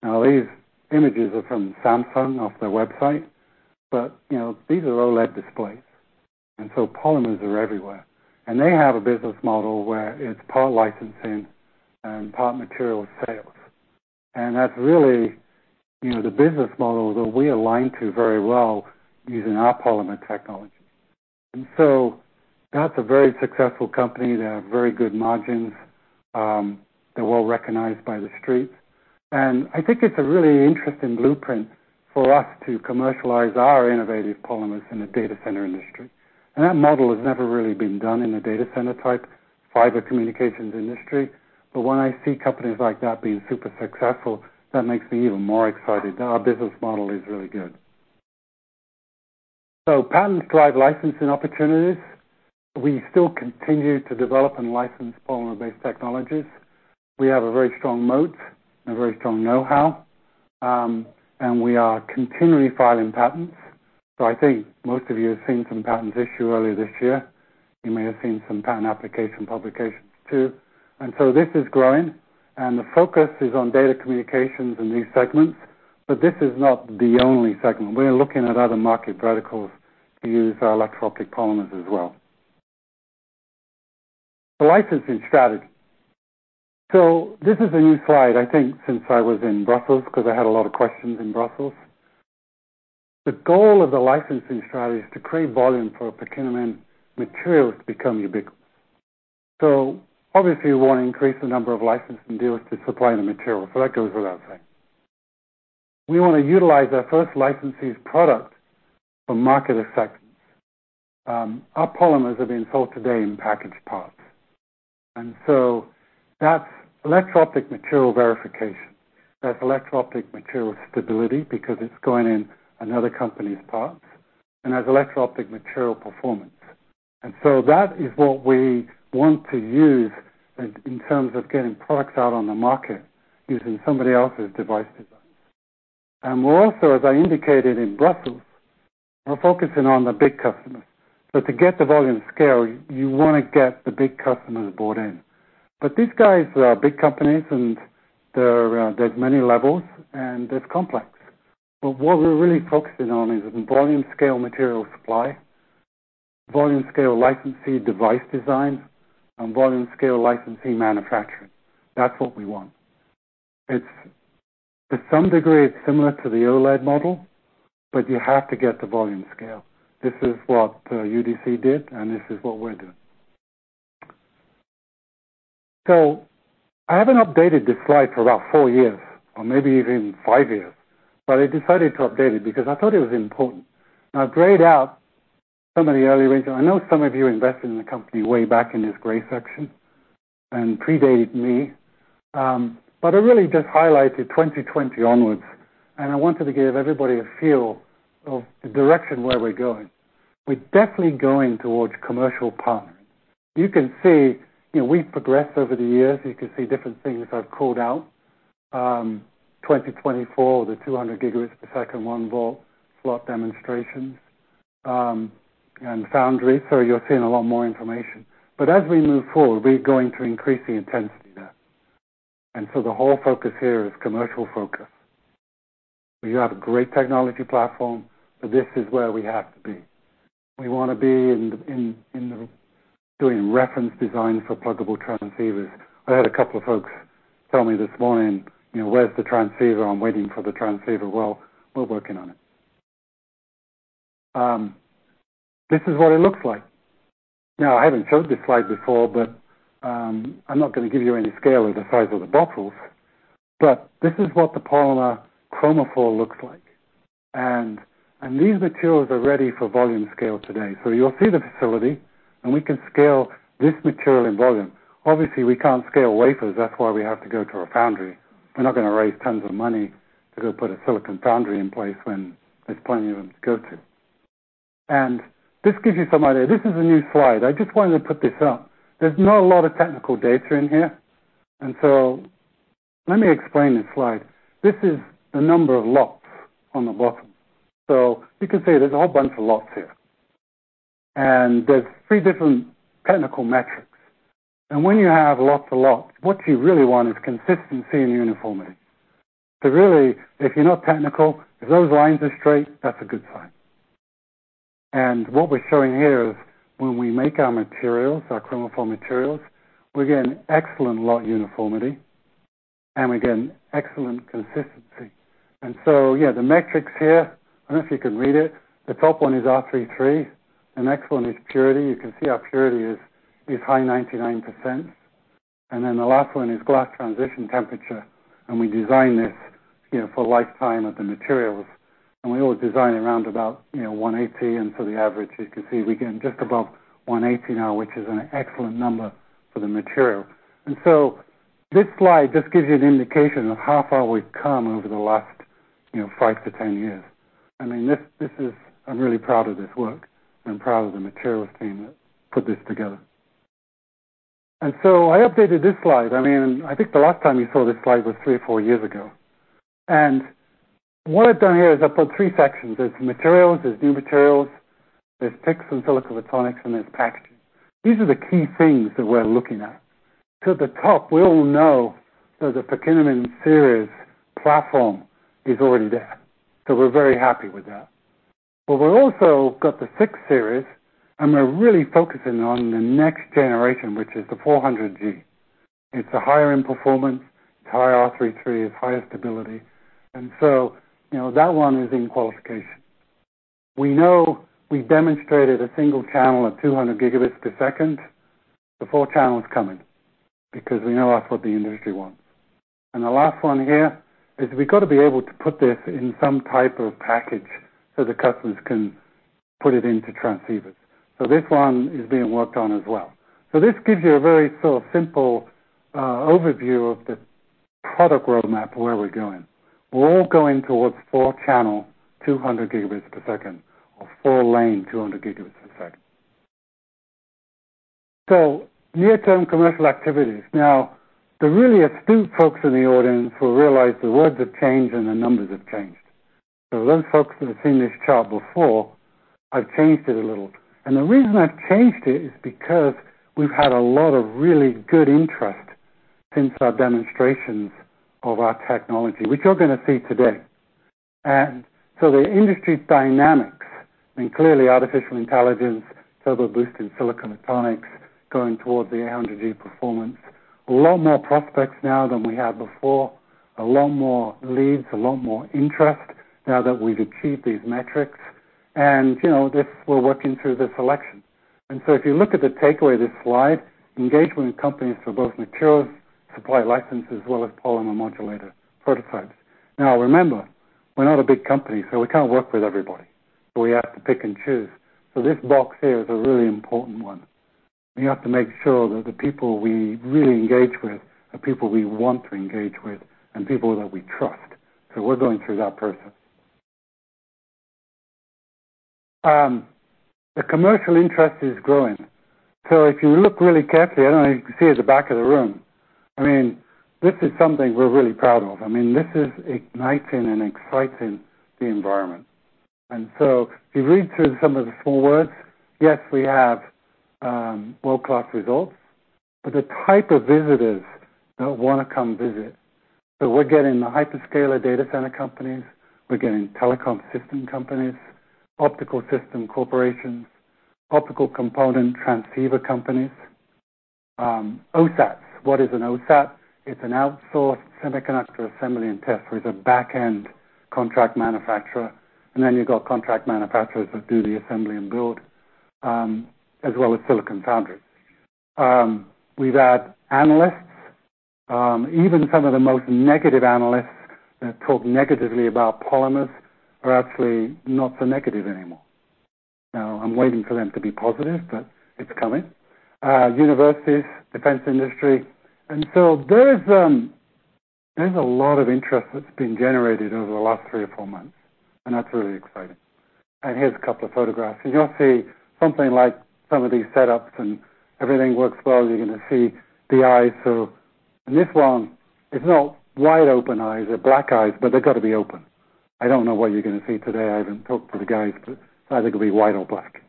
Now, these images are from Samsung, off their website, but, you know, these are OLED displays, and so polymers are everywhere. And they have a business model where it's part licensing and part material sales. And that's really, you know, the business model that we align to very well using our polymer technology. And so that's a very successful company. They have very good margins. They're well-recognized by the street. And I think it's a really interesting blueprint for us to commercialize our innovative polymers in the data center industry. And that model has never really been done in the data center-type fiber communications industry. But when I see companies like that being super successful, that makes me even more excited that our business model is really good. So patents drive licensing opportunities. We still continue to develop and license polymer-based technologies. We have a very strong moat and a very strong know-how, and we are continually filing patents. So I think most of you have seen some patents issued earlier this year. You may have seen some patent application publications, too. And so this is growing, and the focus is on data communications in these segments, but this is not the only segment. We're looking at other market verticals to use our electro-optic polymers as well. The licensing strategy. So this is a new slide, I think, since I was in Brussels, 'cause I had a lot of questions in Brussels. The goal of the licensing strategy is to create volume for Polymer Materials to become ubiquitous. So obviously, we want to increase the number of licensing deals to supply the material, so that goes without saying. We want to utilize our first licensee's product for market effect. Our polymers are being sold today in packaged parts, and so that's electro-optic material verification. That's electro-optic material stability because it's going in another company's parts, and as electro-optic material performance. And so that is what we want to use in, in terms of getting products out on the market, using somebody else's device design. And we're also, as I indicated in Brussels, we're focusing on the big customers. So to get the volume scale, you, you wanna get the big customers bought in. But these guys are big companies, and there are, there's many levels, and it's complex. But what we're really focusing on is volume scale material supply, volume scale licensee device design, and volume scale licensee manufacturing. That's what we want. It's, to some degree, it's similar to the OLED model, but you have to get the volume scale. This is what UDC did, and this is what we're doing. So I haven't updated this slide for about four years, or maybe even five years, but I decided to update it because I thought it was important. Now, I've grayed out some of the early ones. I know some of you invested in the company way back in this gray section and predated me, but I really just highlighted 2020 onwards, and I wanted to give everybody a feel of the direction where we're going. We're definitely going towards commercial partnering. You can see, you know, we've progressed over the years. You can see different things I've called out. 2024, the 200 Gbps, 1 volt slot demonstrations... and foundry, so you're seeing a lot more information. But as we move forward, we're going to increase the intensity there. And so the whole focus here is commercial focus. We have a great technology platform, but this is where we have to be. We wanna be in the doing reference designs for pluggable transceivers. I had a couple of folks tell me this morning, you know, "Where's the transceiver? I'm waiting for the transceiver." Well, we're working on it. This is what it looks like. Now, I haven't showed this slide before, but, I'm not gonna give you any scale of the size of the bottles, but this is what the polymer chromophore looks like. And these materials are ready for volume scale today. So you'll see the facility, and we can scale this material in volume. Obviously, we can't scale wafers. That's why we have to go to a foundry. We're not gonna raise tons of money to go put a silicon foundry in place when there's plenty of them to go to. And this gives you some idea. This is a new slide. I just wanted to put this up. There's not a lot of technical data in here, and so let me explain this slide. This is the number of lots on the bottom. So you can see there's a whole bunch of lots here, and there's 3 different technical metrics. And when you have lots of lots, what you really want is consistency and uniformity. So really, if you're not technical, if those lines are straight, that's a good sign. And what we're showing here is when we make our materials, our chromophore materials, we're getting excellent lot uniformity, and we're getting excellent consistency. And so, yeah, the metrics here, I don't know if you can read it, the top one is R33, the next one is purity. You can see our purity is high, 99%. And then the last one is glass transition temperature, and we design this, you know, for the lifetime of the materials. And we always design around about, you know, 180. And so the average, you can see, we're getting just above 180 now, which is an excellent number for the material. And so this slide just gives you an indication of how far we've come over the last, you know, 5-10 years. I mean, this, this is... I'm really proud of this work, and I'm proud of the materials team that put this together. And so I updated this slide. I mean, I think the last time you saw this slide was 3 or 4 years ago. And what I've done here is I've put three sections. There's materials, there's new materials, there's PICs and silicon photonics, and there's packaging. These are the key things that we're looking at. So at the top, we all know that the Perkinamine™ Series platform is already there, so we're very happy with that. But we've also got the 6 series, and we're really focusing on the next generation, which is the 400G. It's a higher end performance, it's higher R33, it's higher stability, and so, you know, that one is in qualification. We know we demonstrated a single channel at 200 Gbps. The 4-channel is coming, because we know that's what the industry wants. And the last one here is we've got to be able to put this in some type of package so the customers can put it into transceivers. So this one is being worked on as well. So this gives you a very sort of simple overview of the product roadmap for where we're going. We're all going towards 4-channel, 200 Gbps, or 4-lane, 200 Gbps. So near-term commercial activities. Now, the really astute folks in the audience will realize the words have changed and the numbers have changed. So those folks that have seen this chart before, I've changed it a little. And the reason I've changed it is because we've had a lot of really good interest since our demonstrations of our technology, which you're gonna see today. And so the industry dynamics, I mean, clearly, Artificial Intelligence, turbo boost, and Silicon Photonics going towards the 800 G performance. A lot more prospects now than we had before, a lot more leads, a lot more interest now that we've achieved these metrics. You know, this, we're working through the selection. So if you look at the takeaway of this slide, engagement with companies for both materials, supply licenses, as well as polymer modulator prototypes. Now, remember, we're not a big company, so we can't work with everybody. So we have to pick and choose. So this box here is a really important one. We have to make sure that the people we really engage with are people we want to engage with and people that we trust. So we're going through that process. The commercial interest is growing. So if you look really carefully, I don't know if you can see at the back of the room, I mean, this is something we're really proud of. I mean, this is igniting and exciting the environment. And so if you read through some of the small words, yes, we have world-class results, but the type of visitors that wanna come visit. So we're getting the hyperscaler data center companies, we're getting telecom system companies, optical system corporations, optical component transceiver companies, OSAT. What is an OSAT? It's an outsourced semiconductor assembly and test. So it's a back-end contract manufacturer, and then you've got contract manufacturers that do the assembly and build, as well as silicon foundry. We've had analysts, even some of the most negative analysts that talk negatively about polymers are actually not so negative anymore. Now, I'm waiting for them to be positive, but it's coming. Universities, defense industry, and so there's a lot of interest that's been generated over the last three or four months, and that's really exciting. And here's a couple of photographs. And you'll see something like some of these setups and everything works well. You're gonna see the eyes. And this one is not wide open eyes, they're black eyes, but they've got to be open. I don't know what you're gonna see today. I haven't talked to the guys, but either it could be white or black.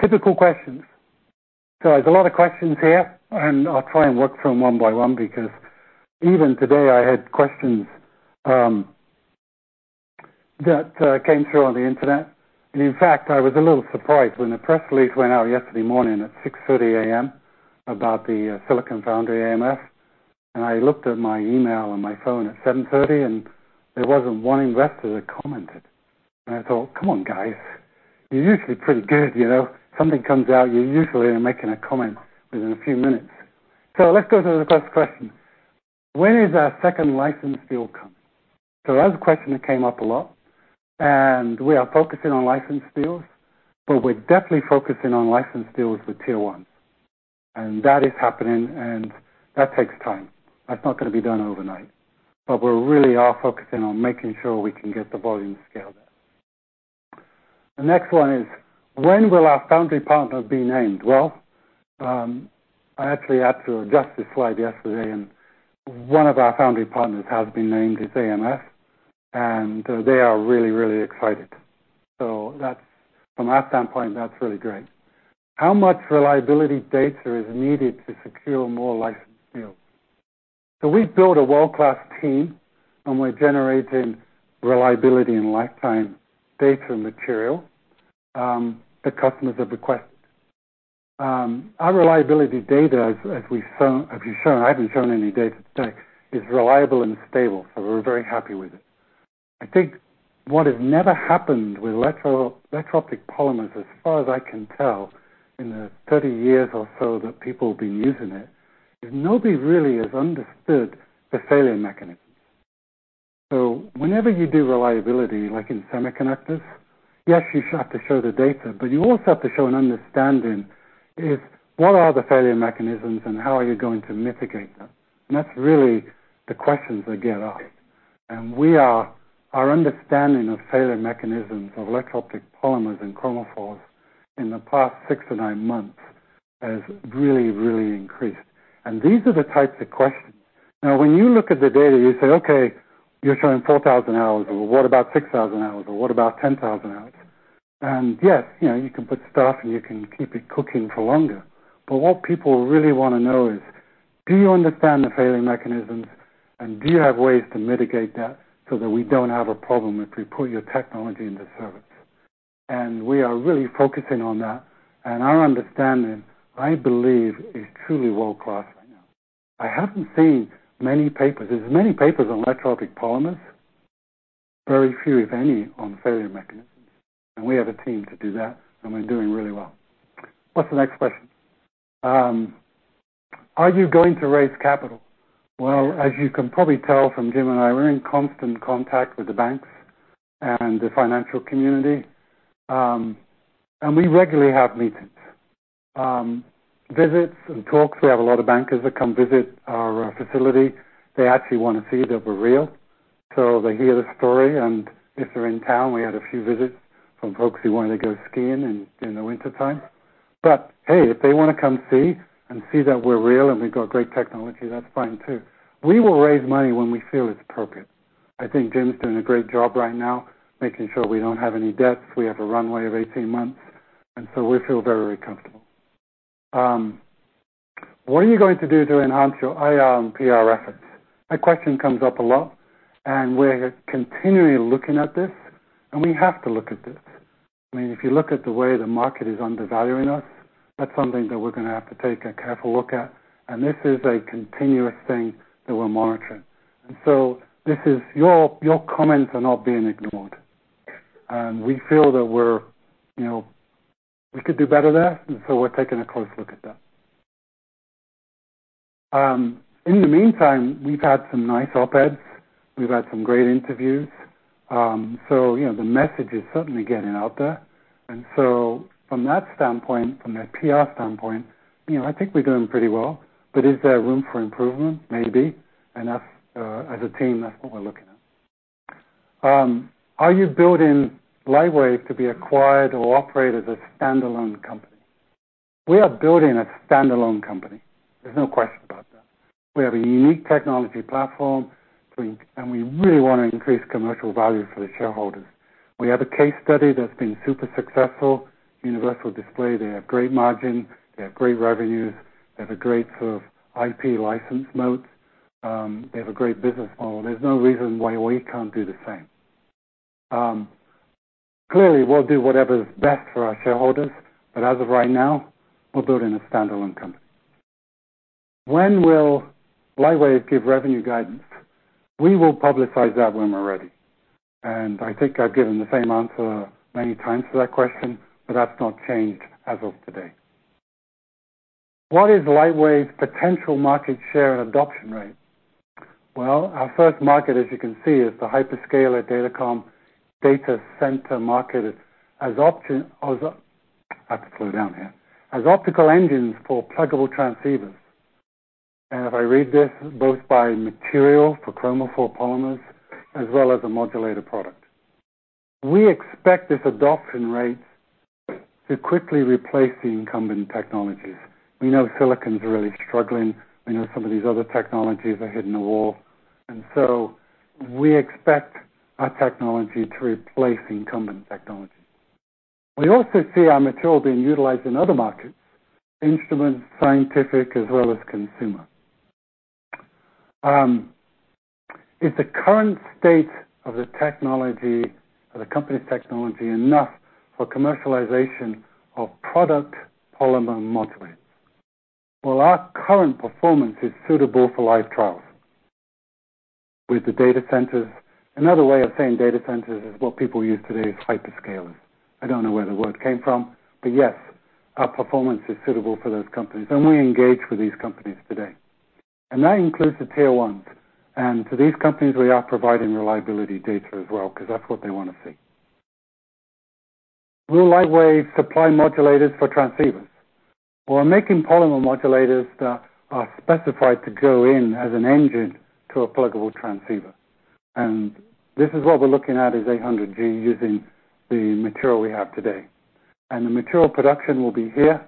Typical questions. So there's a lot of questions here, and I'll try and work through them one by one, because even today I had questions that came through on the Internet. And in fact, I was a little surprised when the press release went out yesterday morning at 6:30 A.M. about the silicon foundry AMF. And I looked at my email on my phone at 7:30, and there wasn't one investor that commented. And I thought: Come on, guys, you're usually pretty good, you know. Something comes out, you usually are making a comment within a few minutes. So let's go to the first question. When is our second license deal coming? So that's a question that came up a lot, and we are focusing on license deals, but we're definitely focusing on license deals with tier ones. And that is happening, and that takes time. That's not gonna be done overnight. But we really are focusing on making sure we can get the volume scale there. The next one is: When will our foundry partner be named? Well, I actually had to adjust this slide yesterday, and one of our foundry partners has been named, is AMF, and they are really, really excited. So that's, from that standpoint, that's really great. How much reliability data is needed to secure more licensed deals? So we've built a world-class team, and we're generating reliability and lifetime data material that customers have requested. Our reliability data, as we've shown, I haven't shown any data today, is reliable and stable, so we're very happy with it. I think what has never happened with electro-optic polymers, as far as I can tell, in the 30 years or so that people have been using it, is nobody really has understood the failure mechanism. So whenever you do reliability, like in semiconductors, yes, you have to show the data, but you also have to show an understanding is, what are the failure mechanisms and how are you going to mitigate them? And that's really the questions that get asked. Our understanding of failure mechanisms of electro-optic polymers and chromophores in the past 6-9 months has really, really increased. And these are the types of questions. Now, when you look at the data, you say, "Okay, you're showing 4,000 hours, or what about 6,000 hours, or what about 10,000 hours?" And yes, you know, you can put stuff and you can keep it cooking for longer, but what people really wanna know is: Do you understand the failure mechanisms, and do you have ways to mitigate that so that we don't have a problem if we put your technology into service? And we are really focusing on that, and our understanding, I believe, is truly world-class right now. I haven't seen many papers. are many papers on electro-optic polymers, very few, if any, on failure mechanisms, and we have a team to do that, and we're doing really well. What's the next question? Are you going to raise capital? Well, as you can probably tell from Jim and I, we're in constant contact with the banks and the financial community, and we regularly have meetings, visits, and talks. We have a lot of bankers that come visit our facility. They actually wanna see that we're real, so they hear the story, and if they're in town, we had a few visits from folks who wanted to go skiing in the wintertime. But hey, if they wanna come see and see that we're real and we've got great technology, that's fine, too. We will raise money when we feel it's appropriate. I think Jim's doing a great job right now, making sure we don't have any debts. We have a runway of 18 months, and so we feel very comfortable. What are you going to do to enhance your IR and PR efforts? That question comes up a lot, and we're continually looking at this, and we have to look at this. I mean, if you look at the way the market is undervaluing us, that's something that we're gonna have to take a careful look at, and this is a continuous thing that we're monitoring. And so this is... Your comments are not being ignored, and we feel that we're, you know, we could do better there, and so we're taking a close look at that. In the meantime, we've had some nice op-eds. We've had some great interviews. So you know, the message is certainly getting out there. So from that standpoint, from a PR standpoint, you know, I think we're doing pretty well. But is there room for improvement? Maybe. And us, as a team, that's what we're looking at. Are you building Lightwave to be acquired or operate as a standalone company? We are building a standalone company. There's no question about that. We have a unique technology platform, we-- and we really wanna increase commercial value for the shareholders. We have a case study that's been super successful. Universal Display, they have great margin, they have great revenues, they have a great sort of IP license mode, they have a great business model. There's no reason why we can't do the same. Clearly, we'll do whatever is best for our shareholders, but as of right now, we're building a standalone company. When will Lightwave give revenue guidance? We will publicize that when we're ready. And I think I've given the same answer many times to that question, but that's not changed as of today. What is Lightwave's potential market share and adoption rate? Well, our first market, as you can see, is the hyperscaler datacom, data center market. It's as optical engines for pluggable transceivers. And if I read this, both by material for chromophore polymers as well as a modulator product. We expect this adoption rate to quickly replace the incumbent technologies. We know silicon's really struggling. We know some of these other technologies are hitting a wall, and so we expect our technology to replace incumbent technology. We also see our material being utilized in other markets, instruments, scientific, as well as consumer. Is the current state of the technology, of the company's technology, enough for commercialization of product polymer modulators? Well, our current performance is suitable for live trials with the data centers. Another way of saying data centers is what people use today is hyperscalers. I don't know where the word came from, but yes, our performance is suitable for those companies, and we engage with these companies today. And that includes the tier ones. And to these companies, we are providing reliability data as well, because that's what they wanna see. Will Lightwave supply modulators for transceivers? We're making polymer modulators that are specified to go in as an engine to a pluggable transceiver, and this is what we're looking at, is 800 G using the material we have today. The material production will be here,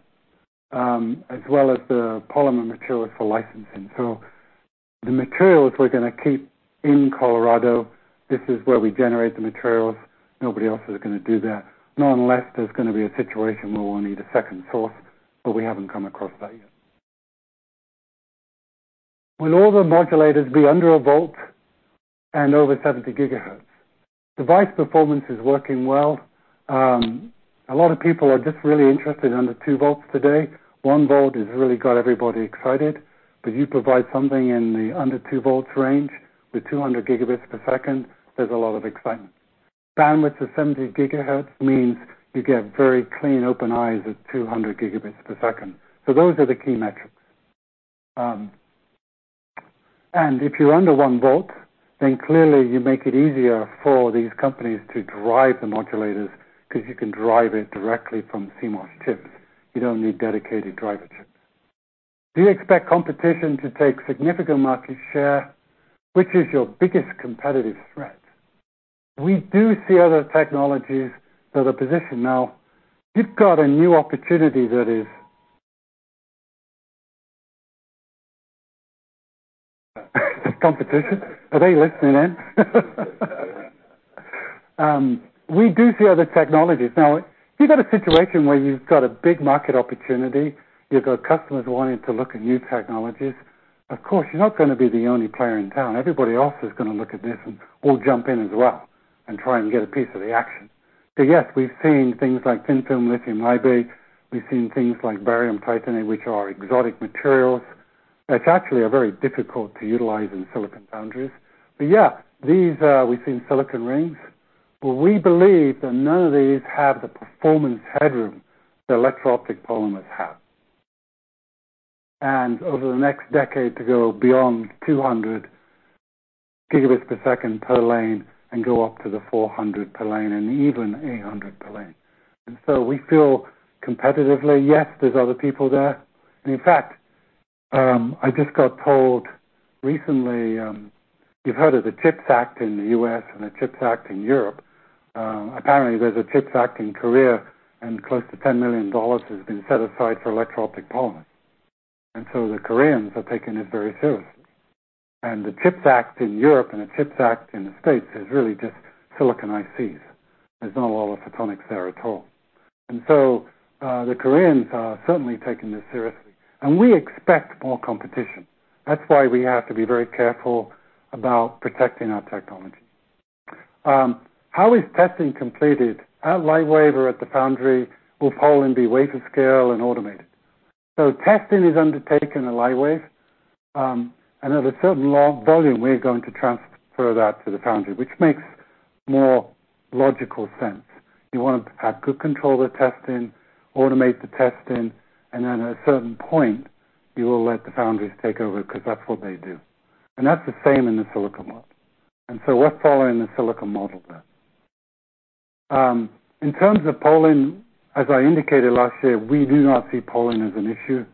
as well as the polymer materials for licensing. The materials we're gonna keep in Colorado. This is where we generate the materials. Nobody else is gonna do that, not unless there's gonna be a situation where we'll need a second source, but we haven't come across that yet. Will all the modulators be under 1 V and over 70 GHz? Device performance is working well. A lot of people are just really interested in under 2 V today. 1 V has really got everybody excited. If you provide something in the under 2 V range with 200 Gbps, there's a lot of excitement. Bandwidth to 70 GHz means you get very clean, open eyes at 200 Gbps. Those are the key metrics. And if you're under 1 volt, then clearly you make it easier for these companies to drive the modulators, because you can drive it directly from CMOS chips. You don't need dedicated driver chips. Do you expect competition to take significant market share? Which is your biggest competitive threat? We do see other technologies that are positioned now. You've got a new opportunity that is competition. Are they listening in? We do see other technologies. Now, you've got a situation where you've got a big market opportunity, you've got customers wanting to look at new technologies. Of course, you're not gonna be the only player in town. Everybody else is gonna look at this, and we'll jump in as well and try and get a piece of the action. So yes, we've seen things like thin-film lithium niobate. We've seen things like barium titanate, which are exotic materials. They are actually very difficult to utilize in silicon foundries. But yeah, these, we've seen silicon rings. But we believe that none of these have the performance headroom that electro-optic polymers have. And over the next decade, to go beyond 200 gigabits per second per lane and go up to the 400 per lane and even 800 per lane. And so we feel competitively, yes, there's other people there. In fact, I just got told recently, you've heard of the Chips Act in the U.S. and the Chips Act in Europe. Apparently, there's a Chips Act in Korea, and close to $10 million has been set aside for electro-optic polymers. And so the Koreans are taking it very seriously. The Chips Act in Europe and the Chips Act in the States is really just silicon ICs. There's not a lot of photonics there at all. So, the Koreans are certainly taking this seriously, and we expect more competition. That's why we have to be very careful about protecting our technology. How is testing completed at Lightwave or at the foundry? Will poling be weighted, scaled, and automated? So testing is undertaken in Lightwave. And at a certain low volume, we're going to transfer that to the foundry, which makes more logical sense. You want to have good control of the testing, automate the testing, and then at a certain point, you will let the foundries take over, because that's what they do. And that's the same in the silicon world. So we're following the silicon model there. In terms of poling, as I indicated last year, we do not see poling as an issue.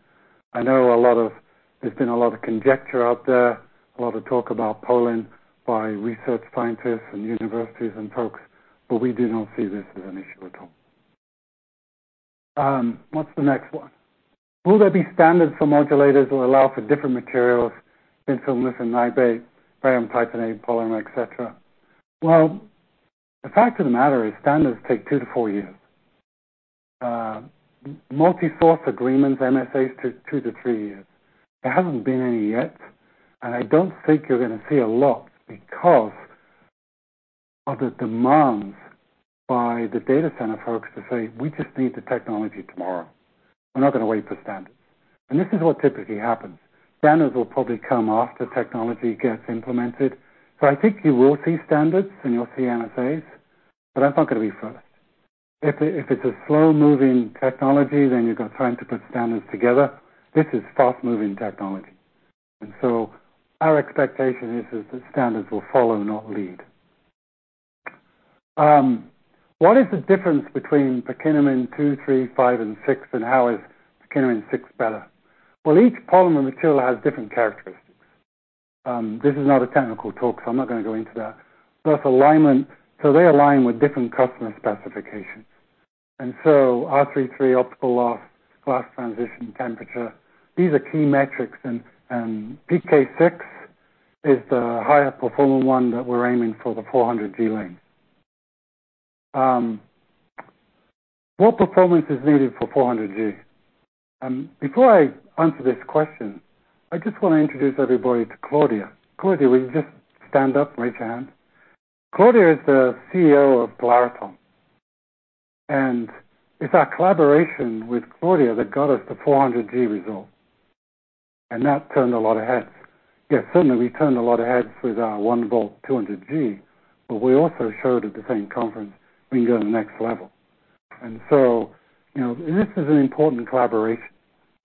I know a lot of, there's been a lot of conjecture out there, a lot of talk about poling by research scientists and universities and folks, but we do not see this as an issue at all. What's the next one? Will there be standards for modulators or allow for different materials, thin film, lithium niobate, barium titanate, polymer, et cetera? Well, the fact of the matter is standards take two to four years. Multi-source agreements, MSAs, take two to three years. There hasn't been any yet, and I don't think you're gonna see a lot because of the demands by the data center folks to say, "We just need the technology tomorrow. We're not gonna wait for standards." And this is what typically happens. Standards will probably come after technology gets implemented. So I think you will see standards and you'll see MSAs, but that's not gonna be further. If it's a slow-moving technology, then you've got time to put standards together. This is fast-moving technology, and so our expectation is that standards will follow, not lead. What is the difference between Perkinamine 2, 3, 5, and 6, and how is Perkinamine 6 better? Well, each polymer material has different characteristics... This is not a technical talk, so I'm not gonna go into that. Plus alignment. So they align with different customer specifications. And so R33, optical loss, glass transition temperature, these are key metrics, and PK 6 is the higher performing one that we're aiming for the 400G length. What performance is needed for 400G? Before I answer this question, I just wanna introduce everybody to Claudia. Claudia, will you just stand up and raise your hand? Claudia is the CEO of Polariton, and it's our collaboration with Claudia that got us the 400 G result, and that turned a lot of heads. Yes, certainly, we turned a lot of heads with our 1 volt, 200 G, but we also showed at the same conference we can go to the next level. And so, you know, this is an important collaboration.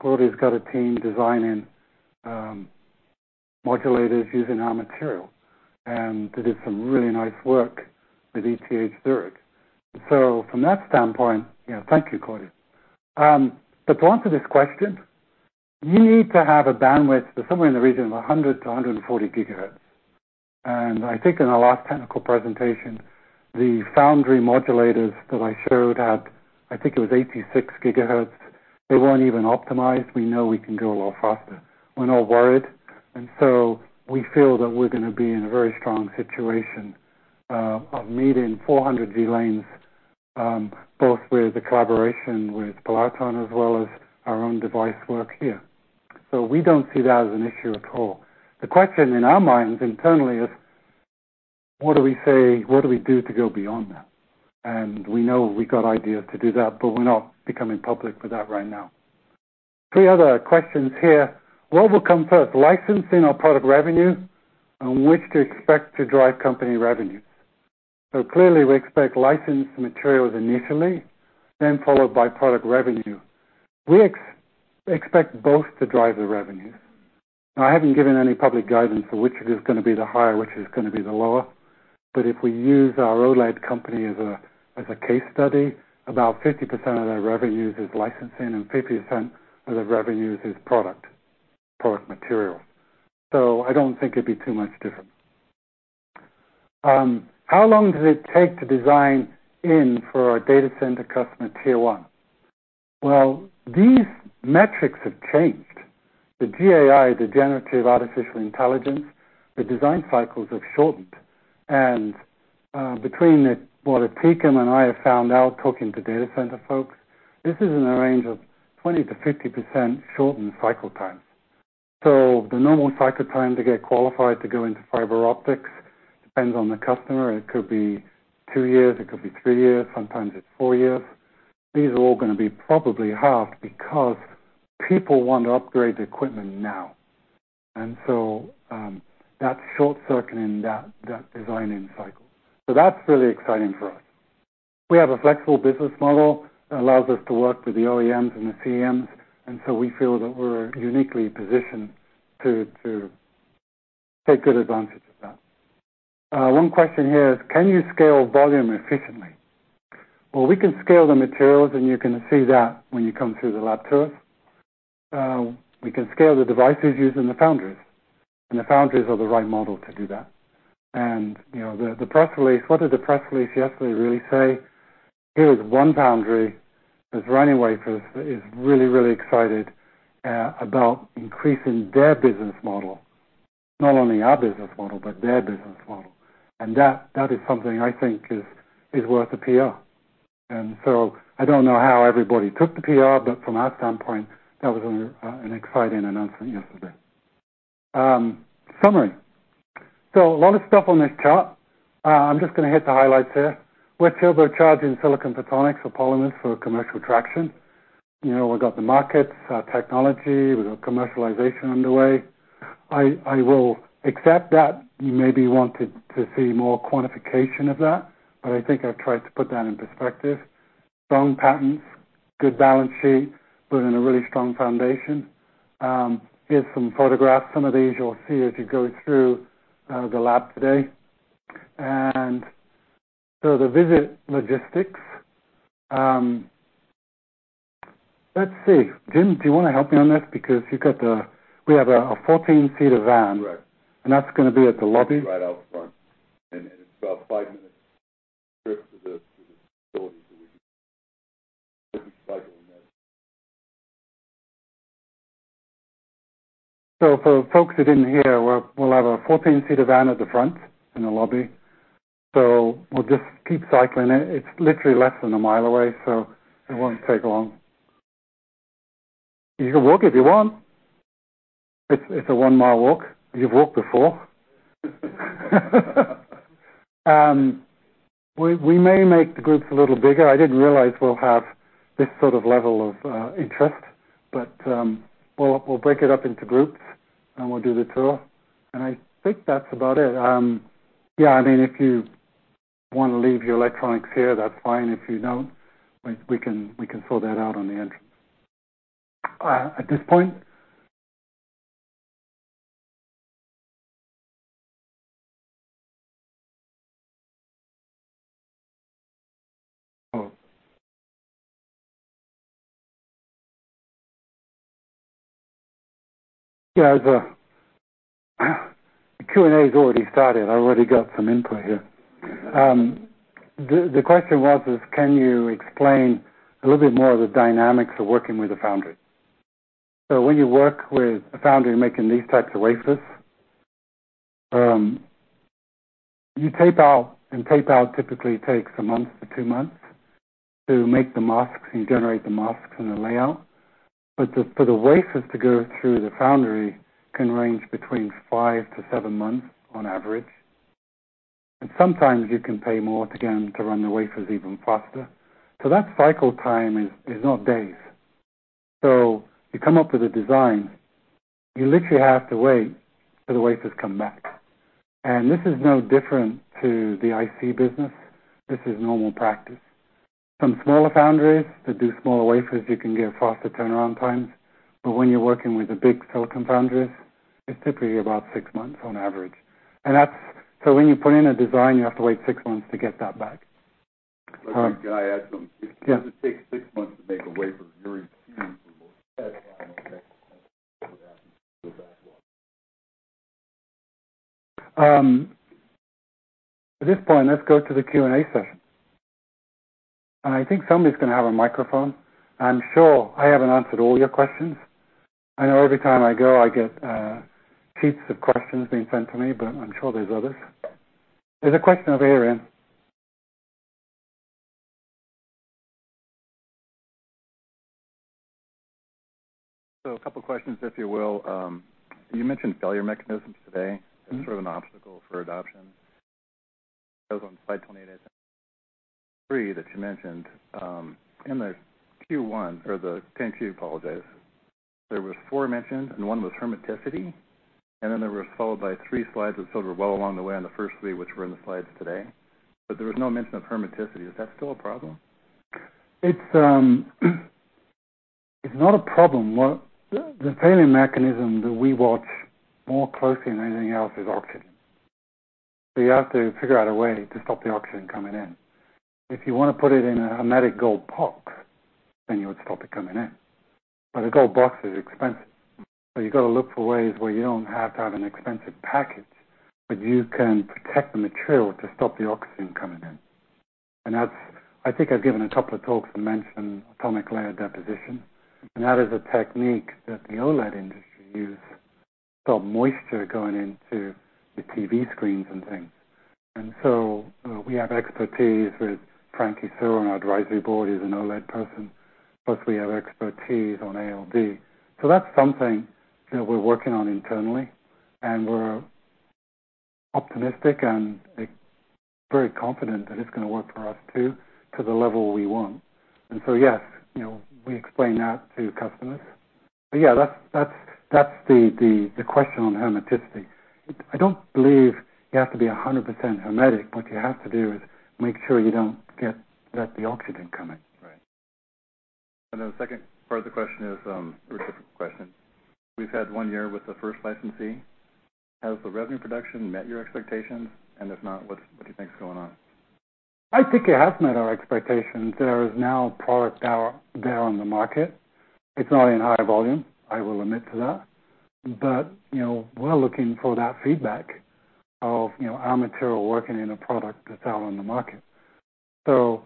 Claudia's got a team designing modulators using our material, and they did some really nice work with ETH Zurich. So from that standpoint, you know, thank you, Claudia. But to answer this question, you need to have a bandwidth to somewhere in the region of 100-140 gigahertz. I think in our last technical presentation, the foundry modulators that I showed had, I think it was 86 GHz. They weren't even optimized. We know we can go a lot faster. We're not worried, and so we feel that we're gonna be in a very strong situation of meeting 400G lanes, both with the collaboration with Polariton as well as our own device work here. So we don't see that as an issue at all. The question in our minds internally is: what do we say, what do we do to go beyond that? And we know we got ideas to do that, but we're not becoming public with that right now. Three other questions here. What will come first, licensing or product revenue, and which to expect to drive company revenue? So clearly, we expect license materials initially, then followed by product revenue. We expect both to drive the revenues. Now, I haven't given any public guidance for which is gonna be the higher, which is gonna be the lower, but if we use our OLED company as a case study, about 50% of their revenues is licensing and 50% of their revenues is product material. So I don't think it'd be too much different. How long does it take to design in for our data center customer tier one? Well, these metrics have changed. The GAI, the generative artificial intelligence, the design cycles have shortened. And between what Optica and I have found out, talking to data center folks, this is in a range of 20%-50% shortened cycle time. So the normal cycle time to get qualified to go into fiber optics depends on the customer. It could be two years, it could be three years, sometimes it's four years. These are all gonna be probably half because people want to upgrade the equipment now. So that's short-circuiting that designing cycle. So that's really exciting for us. We have a flexible business model that allows us to work with the OEMs and the CMs, and so we feel that we're uniquely positioned to take good advantage of that. One question here is: can you scale volume efficiently? Well, we can scale the materials, and you're gonna see that when you come through the lab tour. We can scale the devices using the foundries, and the foundries are the right model to do that. And, you know, the press release, what did the press release yesterday really say? Here is one foundry, that's running wafers, that is really, really excited about increasing their business model. Not only our business model, but their business model. And that is something I think is worth a PR. And so I don't know how everybody took the PR, but from our standpoint, that was an exciting announcement yesterday. Summary. So a lot of stuff on this chart. I'm just gonna hit the highlights here. We're turbocharging Silicon Photonics for polymers for commercial traction. You know, we've got the markets, technology. We've got commercialization underway. I will accept that you maybe wanted to see more quantification of that, but I think I've tried to put that in perspective. Strong patents, good balance sheet. We're in a really strong foundation. Here's some photographs. Some of these you'll see as you go through the lab today. So the visit logistics, let's see. Jim, do you wanna help me on this? Because you got the, we have a 14-seater van. Right. That's gonna be at the lobby. Right out front, and it's about a five-minute trip to the facility. So for folks that didn't hear, we'll have a 14-seater van at the front in the lobby, so we'll just keep cycling it. It's literally less than a mile away, so it won't take long. You can walk if you want. It's a 1-mile walk. You've walked before. We may make the groups a little bigger. I didn't realize we'll have this sort of level of interest, but we'll break it up into groups, and we'll do the tour. And I think that's about it. Yeah, I mean, if you wanna leave your electronics here, that's fine. If you don't, we can sort that out on the entry. At this point? Yeah, the Q&A has already started. I already got some input here. The question was, can you explain a little bit more of the dynamics of working with a foundry? So when you work with a foundry making these types of wafers, you tape out, and tape out typically takes a month to 2 months to make the masks and generate the masks and the layout. But for the wafers to go through the foundry can range between 5 to 7 months on average. And sometimes you can pay more to get them to run the wafers even faster. So that cycle time is not days. So you come up with a design, you literally have to wait till the wafers come back. And this is no different to the IC business. This is normal practice. Some smaller foundries that do smaller wafers, you can get faster turnaround times, but when you're working with the big silicon foundries, it's typically about six months on average. And that's—so when you put in a design, you have to wait six months to get that back. Can I add something? Yeah. It takes six months to make a wafer. Very At this point, let's go to the Q&A session. I think somebody's gonna have a microphone. I'm sure I haven't answered all your questions. I know every time I go, I get heaps of questions being sent to me, but I'm sure there's others. There's a question over here. So a couple of questions, if you will. You mentioned failure mechanisms today. Mm-hmm. As sort of an obstacle for adoption. That was on slide 28, I think, 3, that you mentioned. In the Q1 or the 10-Q, apologies, there was four mentioned, and one was hermeticity, and then there was followed by three slides that showed we're well along the way on the first three, which were in the slides today, but there was no mention of hermeticity. Is that still a problem? It's not a problem. The failure mechanism that we watch more closely than anything else is oxygen. So you have to figure out a way to stop the oxygen coming in. If you want to put it in a hermetic gold box, then you would stop it coming in, but a gold box is expensive. So you got to look for ways where you don't have to have an expensive package, but you can protect the material to stop the oxygen coming in. And that's, I think I've given a couple of talks to mention atomic layer deposition, and that is a technique that the OLED industry use, stop moisture going into the TV screens and things. And so we have expertise with Franky So on our advisory board, he's an OLED person, plus we have expertise on ALD. So that's something that we're working on internally, and we're optimistic and, like, very confident that it's gonna work for us too, to the level we want. And so, yes, you know, we explain that to customers. But, yeah, that's the question on hermeticity. I don't believe you have to be 100% hermetic. What you have to do is make sure you don't let the oxygen come in. Right. And then the second part of the question is, a different question. We've had one year with the first licensee. Has the revenue production met your expectations? And if not, what do you think is going on? I think it has met our expectations. There is now product out there on the market. It's not in high volume, I will admit to that. But, you know, we're looking for that feedback of, you know, our material working in a product that's out on the market. So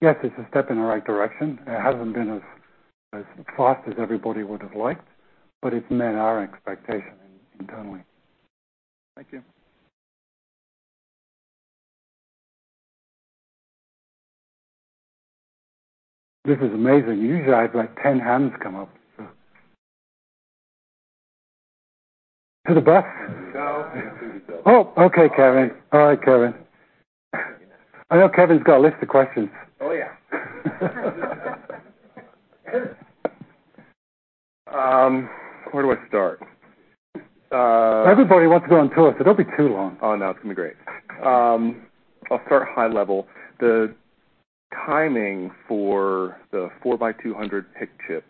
yes, it's a step in the right direction. It hasn't been as, as fast as everybody would have liked, but it's met our expectation internally. Thank you. This is amazing. Usually, I have, like, ten hands come up, so. To the back? No. Oh, okay, Kevin. All right, Kevin. I know Kevin's got a list of questions. Oh, yeah. Where do I start? Everybody wants to go on tour, so don't be too long. Oh, no, it's gonna be great. I'll start high level. The timing for the 4 by 200 PIC chip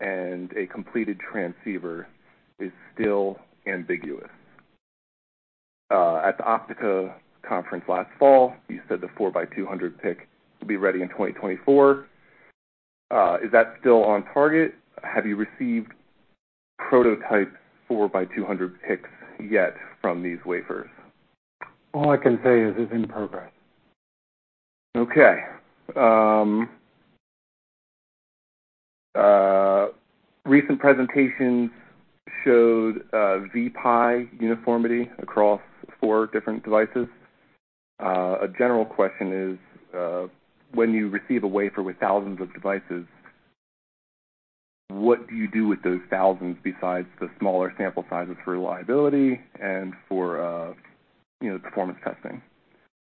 and a completed transceiver is still ambiguous. At the Optica conference last fall, you said the 4 by 200 PIC would be ready in 2024. Is that still on target? Have you received prototype 4 by 200 PICs yet from these wafers? All I can say is, it's in progress. Okay. Recent presentations showed Vpi uniformity across four different devices. A general question is, when you receive a wafer with thousands of devices, what do you do with those thousands besides the smaller sample sizes for reliability and for, you know, performance testing?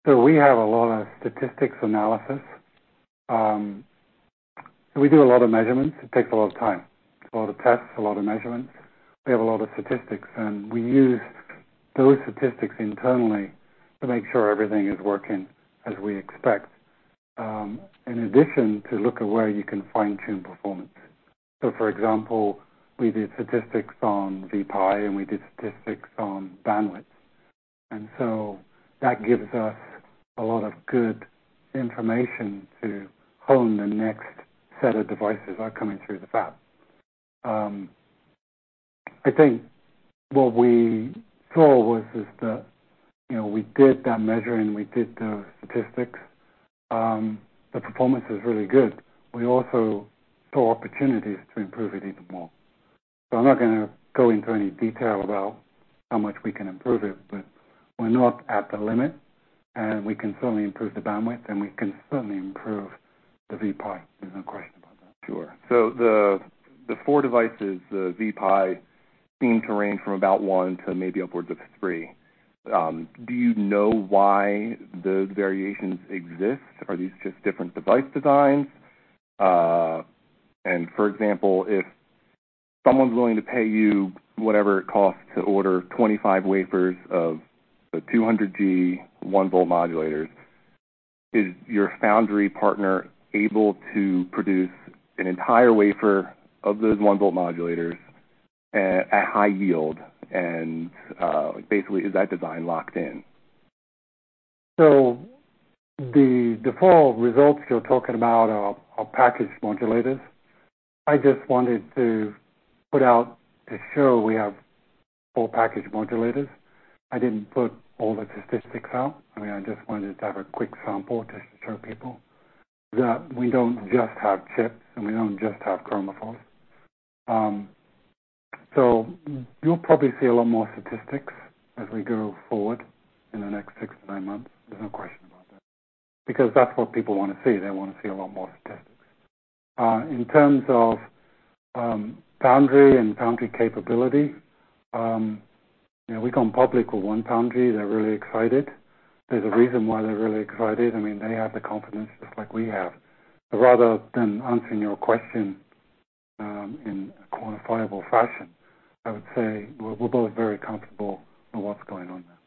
So we have a lot of statistics analysis. We do a lot of measurements. It takes a lot of time, a lot of tests, a lot of measurements. We have a lot of statistics, and we use those statistics internally to make sure everything is working as we expect, in addition, to look at where you can fine-tune performance. So for example, we did statistics on Vpi and we did statistics on bandwidth. And so that gives us a lot of good information to hone the next set of devices are coming through the fab. I think what we saw was, is that, you know, we did that measuring, we did the statistics. The performance is really good. We also saw opportunities to improve it even more. So I'm not gonna go into any detail about how much we can improve it, but we're not at the limit, and we can certainly improve the bandwidth, and we can certainly improve the Vpi. There's no question about that. Sure. So the four devices, the Vpi, seem to range from about 1 to maybe upwards of 3. Do you know why those variations exist? Are these just different device designs? And for example, if someone's willing to pay you whatever it costs to order 25 wafers of the 200 G, 1 volt modulators, is your foundry partner able to produce an entire wafer of those 1 volt modulators at high yield? And basically, is that design locked in? So the default results you're talking about are, are packaged modulators. I just wanted to put out to show we have full package modulators. I didn't put all the statistics out. I mean, I just wanted to have a quick sample to show people that we don't just have chips, and we don't just have chromophores. So you'll probably see a lot more statistics as we go forward in the next six to nine months. There's no question about that, because that's what people want to see. They want to see a lot more statistics. In terms of foundry and foundry capability, you know, we've gone public with one foundry. They're really excited. There's a reason why they're really excited. I mean, they have the confidence, just like we have. Rather than answering your question in a quantifiable fashion, I would say we're both very comfortable with what's going on there.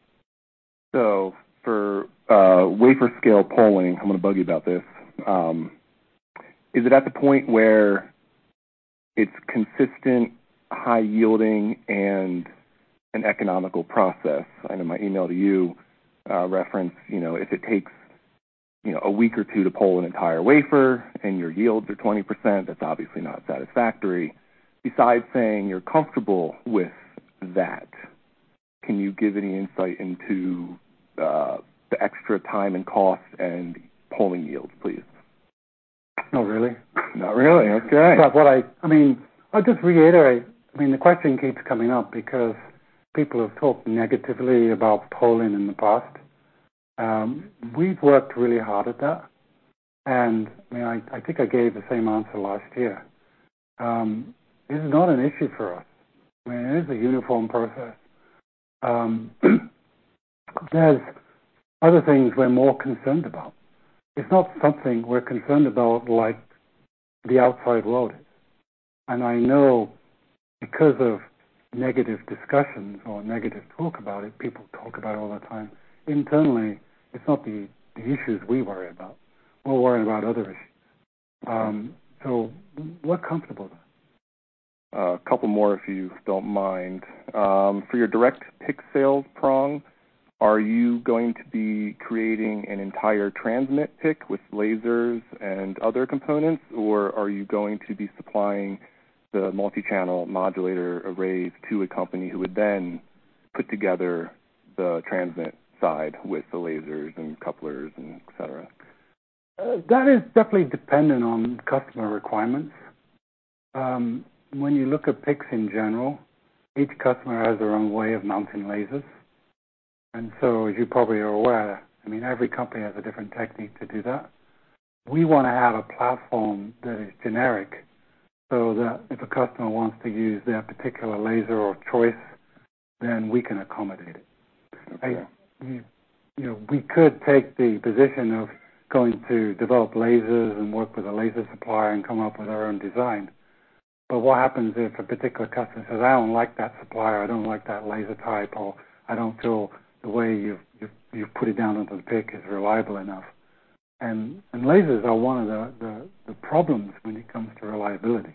So for wafer-scale poling, I'm gonna bug you about this. Is it at the point where it's consistent, high yielding and an economical process? I know my email to you referenced, you know, if it takes, you know, a week or two to poll an entire wafer and your yields are 20%, that's obviously not satisfactory. Besides saying you're comfortable with that, can you give any insight into the extra time and cost and poling yields, please? Not really. Not really. Okay. But what I mean, I'll just reiterate. I mean, the question keeps coming up because people have talked negatively about poling in the past. We've worked really hard at that, and, I mean, I think I gave the same answer last year. It's not an issue for us. I mean, it is a uniform process. There's other things we're more concerned about. It's not something we're concerned about, like the outside world is. And I know because of negative discussions or negative talk about it, people talk about it all the time. Internally, it's not the issues we worry about. We're worrying about other issues. So we're comfortable with that. A couple more, if you don't mind. For your direct PIC sales prong, are you going to be creating an entire transmit PIC with lasers and other components? Or are you going to be supplying the multi-channel modulator arrays to a company who would then put together the transmit side with the lasers and couplers and et cetera? That is definitely dependent on customer requirements. When you look at PICs in general, each customer has their own way of mounting lasers. And so as you probably are aware, I mean, every company has a different technique to do that. We wanna have a platform that is generic, so that if a customer wants to use their particular laser or choice, then we can accommodate it. Okay. You know, we could take the position of going to develop lasers and work with a laser supplier and come up with our own design. But what happens if a particular customer says, "I don't like that supplier, I don't like that laser type," or, "I don't feel the way you've put it down onto the PIC is reliable enough." And lasers are one of the problems when it comes to reliability.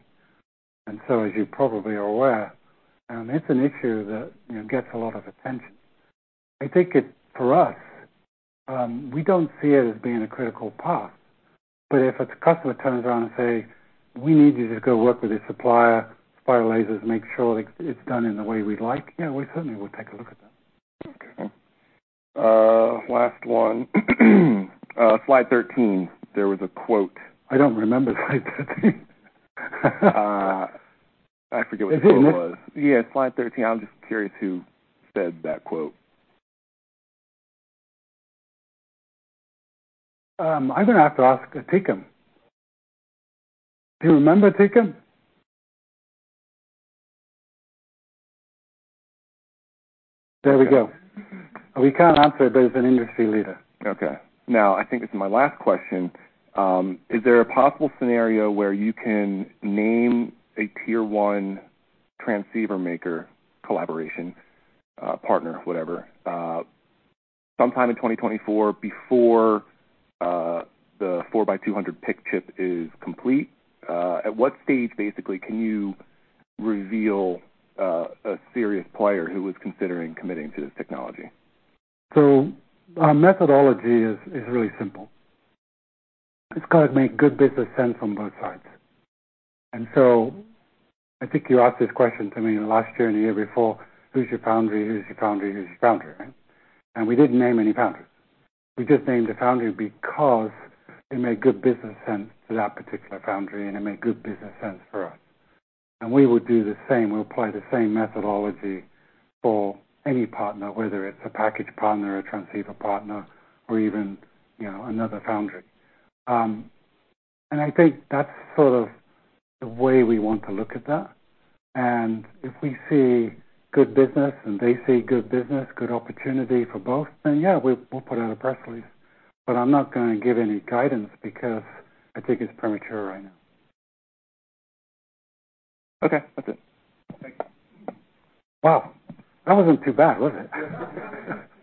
And so as you probably are aware, it's an issue that, you know, gets a lot of attention. I think it, for us, we don't see it as being a critical path. But if it's a customer turns around and say, "We need you to go work with a supplier lasers, make sure that it's done in the way we like," yeah, we certainly will take a look at that. Okay. Last one. Slide 13, there was a quote. I don't remember slide 13. I forget what the quote was. Is it in there? Yeah, slide 13. I'm just curious who said that quote? I'm gonna have to ask Atikem. Do you remember, Atikem? There we go. We can't answer, but it's an industry leader. Okay. Now, I think this is my last question. Is there a possible scenario where you can name a tier one transceiver maker, collaboration, partner, whatever?... sometime in 2024 before, the 4 by 200 PIC chip is complete, at what stage, basically, can you reveal, a serious player who is considering committing to this technology? So our methodology is really simple. It's got to make good business sense on both sides. And so I think you asked this question to me last year and the year before: Who's your foundry? Who's your foundry? Who's your foundry, right? And we didn't name any foundry. We just named the foundry because it made good business sense for that particular foundry, and it made good business sense for us. And we would do the same. We'll apply the same methodology for any partner, whether it's a package partner or a transceiver partner or even, you know, another foundry. And I think that's sort of the way we want to look at that. If we see good business and they see good business, good opportunity for both, then, yeah, we'll put out a press release, but I'm not gonna give any guidance because I think it's premature right now. Okay, that's it. Thank you. Wow! That wasn't too bad, was it?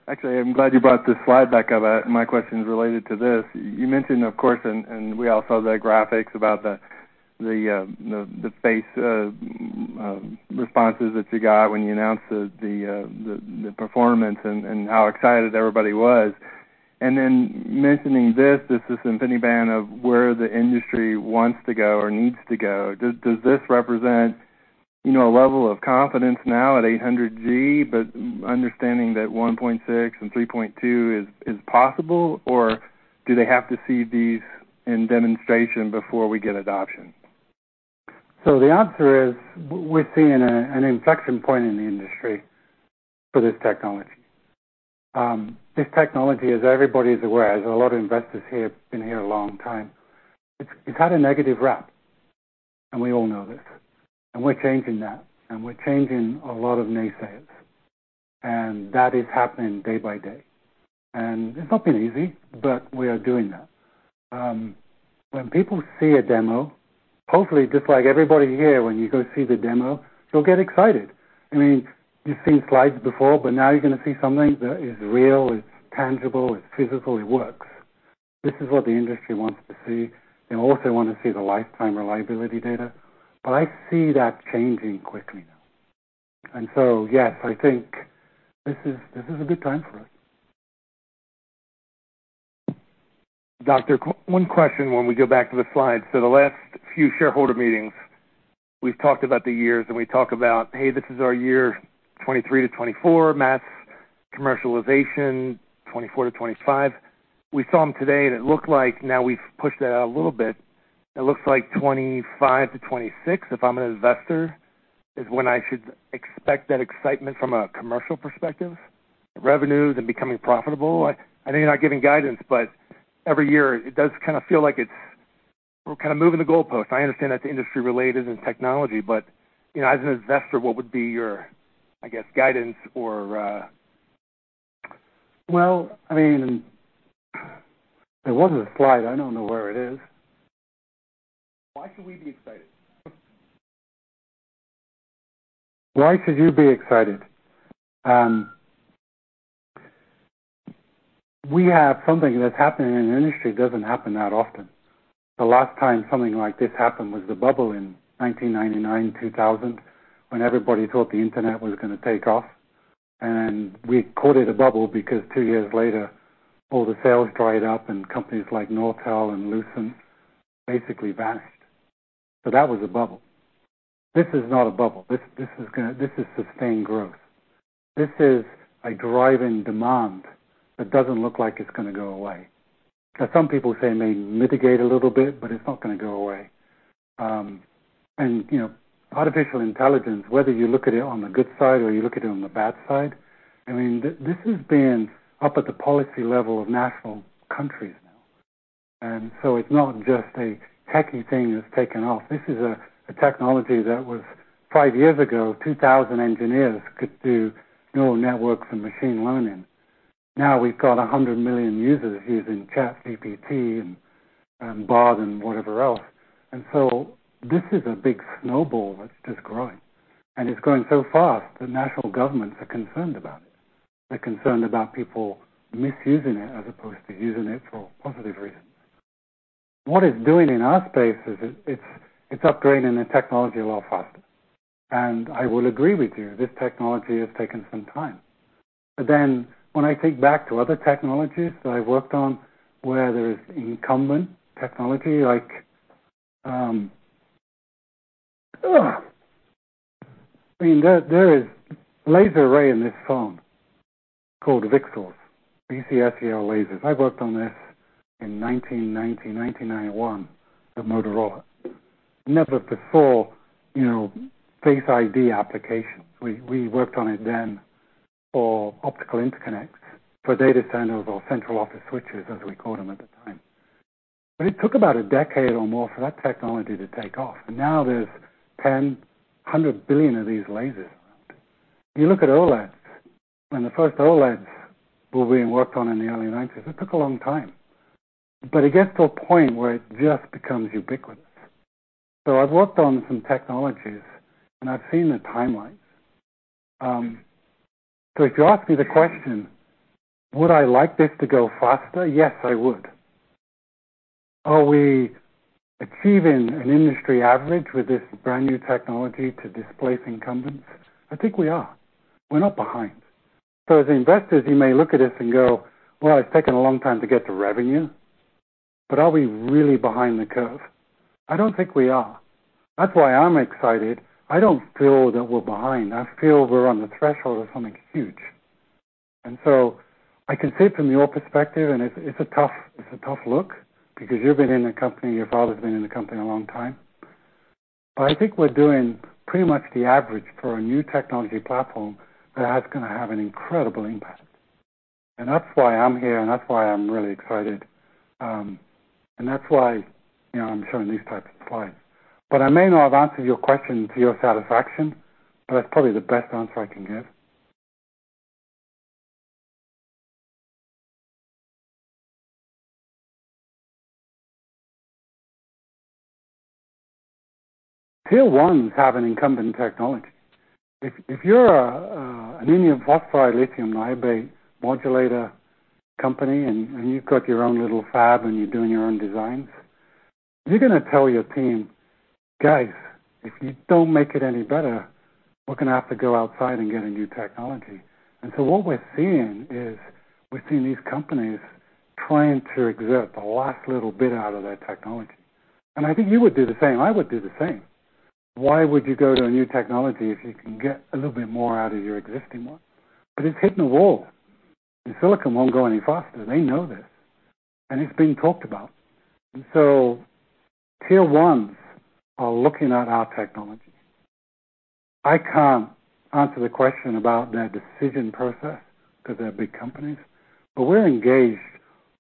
Actually, I'm glad you brought this slide back up. My question is related to this. You mentioned, of course, and we all saw the graphics about the fast responses that you got when you announced the performance and how excited everybody was. And then mentioning this, this is InfiniBand of where the industry wants to go or needs to go. Does this represent, you know, a level of confidence now at 800 G, but understanding that 1.6 and 3.2 is possible, or do they have to see these in demonstration before we get adoption? So the answer is, we're seeing an inflection point in the industry for this technology. This technology, as everybody is aware, there's a lot of investors here, been here a long time. It's had a negative rap, and we all know this, and we're changing that, and we're changing a lot of naysayers, and that is happening day by day. It's not been easy, but we are doing that. When people see a demo, hopefully, just like everybody here, when you go see the demo, you'll get excited. I mean, you've seen slides before, but now you're gonna see something that is real, it's tangible, it's physical, it works. This is what the industry wants to see. They also want to see the lifetime reliability data, but I see that changing quickly now. Yes, I think this is, this is a good time for it. Doctor, one question when we go back to the slide. So the last few shareholder meetings, we've talked about the years, and we talk about, hey, this is our year 2023 to 2024, mass commercialization, 2024 to 2025. We saw them today, and it looked like now we've pushed that out a little bit. It looks like 2025 to 2026, if I'm an investor, is when I should expect that excitement from a commercial perspective, revenues and becoming profitable. I know you're not giving guidance, but every year it does kind of feel like it's, we're kind of moving the goalpost. I understand that's industry related and technology, but, you know, as an investor, what would be your, I guess, guidance or...? Well, I mean, there was a slide. I don't know where it is. Why should we be excited? Why should you be excited? We have something that's happening in an industry; it doesn't happen that often. The last time something like this happened was the bubble in 1999, 2000, when everybody thought the internet was gonna take off. And we called it a bubble because two years later, all the sales dried up and companies like Nortel and Lucent basically vanished. So that was a bubble. This is not a bubble. This is gonna. This is sustained growth. This is a drive in demand that doesn't look like it's gonna go away. Some people say it may mitigate a little bit, but it's not gonna go away. You know, artificial intelligence, whether you look at it on the good side or you look at it on the bad side, I mean, this has been up at the policy level of national countries now. So it's not just a techie thing that's taken off. This is a technology that was five years ago, 2,000 engineers could do neural networks and machine learning. Now we've got 100 million users using ChatGPT and Bard and whatever else. So this is a big snowball that's just growing, and it's growing so fast that national governments are concerned about it. They're concerned about people misusing it as opposed to using it for positive reasons. What it's doing in our space is it's upgrading the technology a lot faster. I would agree with you, this technology has taken some time. But then when I think back to other technologies that I've worked on where there is incumbent technology, like, I mean, there is laser array in this phone called VCSELs, V-C-S-E-L lasers. I worked on this in 1990, 1991 with Motorola. Never before, you know, face ID applications. We worked on it then for optical interconnects, for data centers or central office switches, as we called them at the time. But it took about a decade or more for that technology to take off, and now there's 100 billion of these lasers. You look at OLEDs, when the first OLEDs were being worked on in the early 1990s, it took a long time, but it gets to a point where it just becomes ubiquitous.... So I've worked on some technologies, and I've seen the timelines. So if you ask me the question, would I like this to go faster? Yes, I would. Are we achieving an industry average with this brand new technology to displace incumbents? I think we are. We're not behind. So as investors, you may look at this and go, "Well, it's taken a long time to get to revenue," but are we really behind the curve? I don't think we are. That's why I'm excited. I don't feel that we're behind. I feel we're on the threshold of something huge. And so I can see it from your perspective, and it's a tough look because you've been in the company, your father's been in the company a long time. But I think we're doing pretty much the average for a new technology platform that is gonna have an incredible impact. And that's why I'm here, and that's why I'm really excited. And that's why, you know, I'm showing these types of slides. But I may not have answered your question to your satisfaction, but that's probably the best answer I can give. Tier ones have an incumbent technology. If you're an indium phosphide, lithium niobate modulator company, and you've got your own little fab, and you're doing your own designs, you're gonna tell your team, "Guys, if you don't make it any better, we're gonna have to go outside and get a new technology." And so what we're seeing is, we're seeing these companies trying to exert the last little bit out of their technology. And I think you would do the same. I would do the same. Why would you go to a new technology if you can get a little bit more out of your existing one? But it's hitting the wall. The silicon won't go any faster. They know this, and it's being talked about. And so tier ones are looking at our technology. I can't answer the question about their decision process because they're big companies, but we're engaged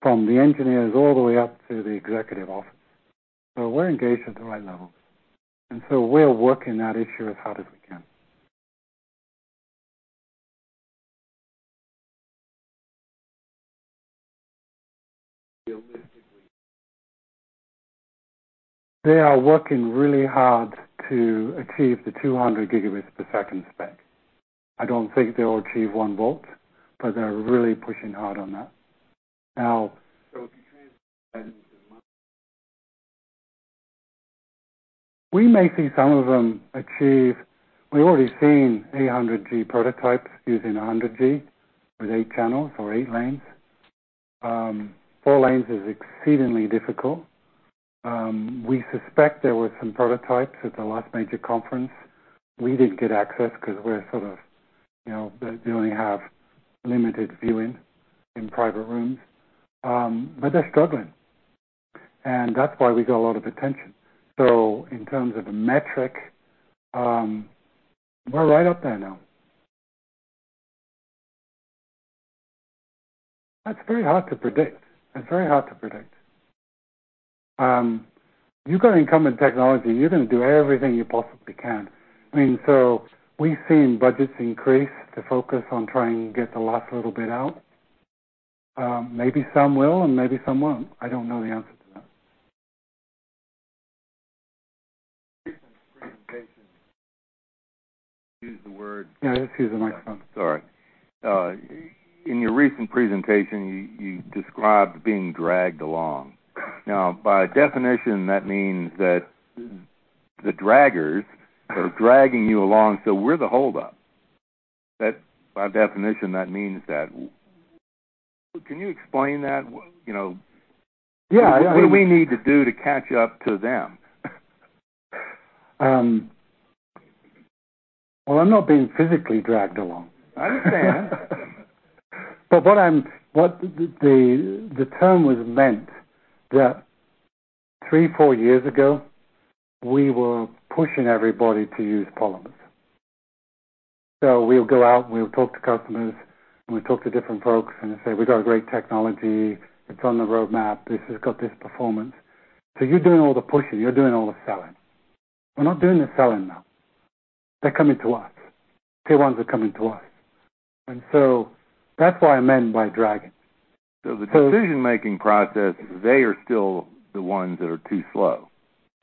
from the engineers all the way up to the executive office. So we're engaged at the right level, and so we're working that issue as hard as we can. They are working really hard to achieve the 200 Gbps spec. I don't think they'll achieve 1 volt, but they're really pushing hard on that. Now, we may see some of them achieve. We've already seen 800 G prototypes using 100 G with eight channels or eight lanes. Four lanes is exceedingly difficult. We suspect there were some prototypes at the last major conference. We didn't get access because we're sort of, you know, they only have limited viewing in private rooms. But they're struggling, and that's why we got a lot of attention. So in terms of the metric, we're right up there now. That's very hard to predict. That's very hard to predict. You got incumbent technology, you're going to do everything you possibly can. I mean, so we've seen budgets increase to focus on trying to get the last little bit out. Maybe some will and maybe some won't. I don't know the answer to that. Use the word- Yeah, let's use the microphone. Sorry. In your recent presentation, you, you described being dragged along. Now, by definition, that means that the draggers are dragging you along, so we're the holdup. That, by definition, that means that. Can you explain that? You know- Yeah, I mean- What do we need to do to catch up to them? Well, I'm not being physically dragged along. I understand. But what the term meant was that 3, 4 years ago, we were pushing everybody to use polymers. So we'll go out, we'll talk to customers, and we talk to different folks, and they say, "We've got a great technology. It's on the roadmap. This has got this performance." So you're doing all the pushing, you're doing all the selling. We're not doing the selling now. They're coming to us. Tier ones are coming to us. And so that's what I meant by dragging. So the decision-making process, they are still the ones that are too slow.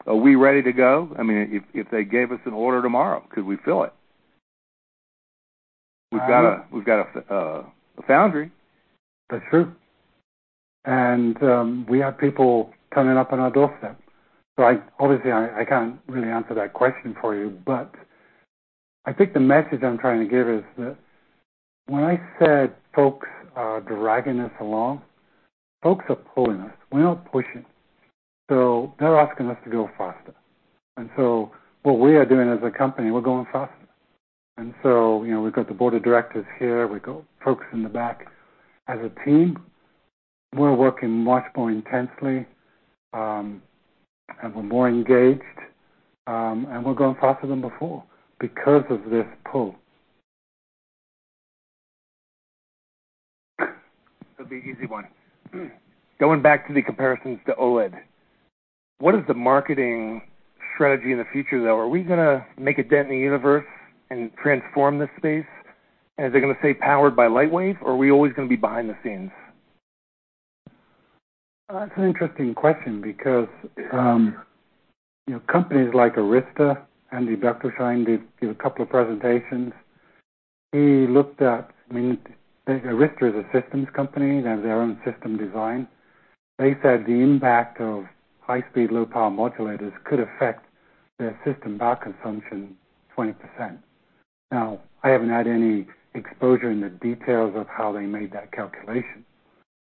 Are we ready to go? I mean, if they gave us an order tomorrow, could we fill it? We've got a foundry. That's true. And, we have people coming up on our doorstep. So, obviously, I can't really answer that question for you, but I think the message I'm trying to give is that when I said folks are dragging us along, folks are pulling us. We're not pushing. So they're asking us to go faster. And so what we are doing as a company, we're going faster. And so, you know, we've got the board of directors here, we've got folks in the back. As a team, we're working much more intensely, and we're more engaged, and we're going faster than before because of this pull. It'll be easy one. Going back to the comparisons to OLED, what is the marketing strategy in the future, though? Are we gonna make a dent in the universe and transform this space? And is it gonna stay powered by Lightwave, or are we always gonna be behind the scenes?... That's an interesting question, because, you know, companies like Arista, Andy Bechtolsheim did a couple of presentations. He looked at, I mean, Arista is a systems company. They have their own system design. They said the impact of high speed, low power modulators could affect their system power consumption 20%. Now, I haven't had any exposure in the details of how they made that calculation,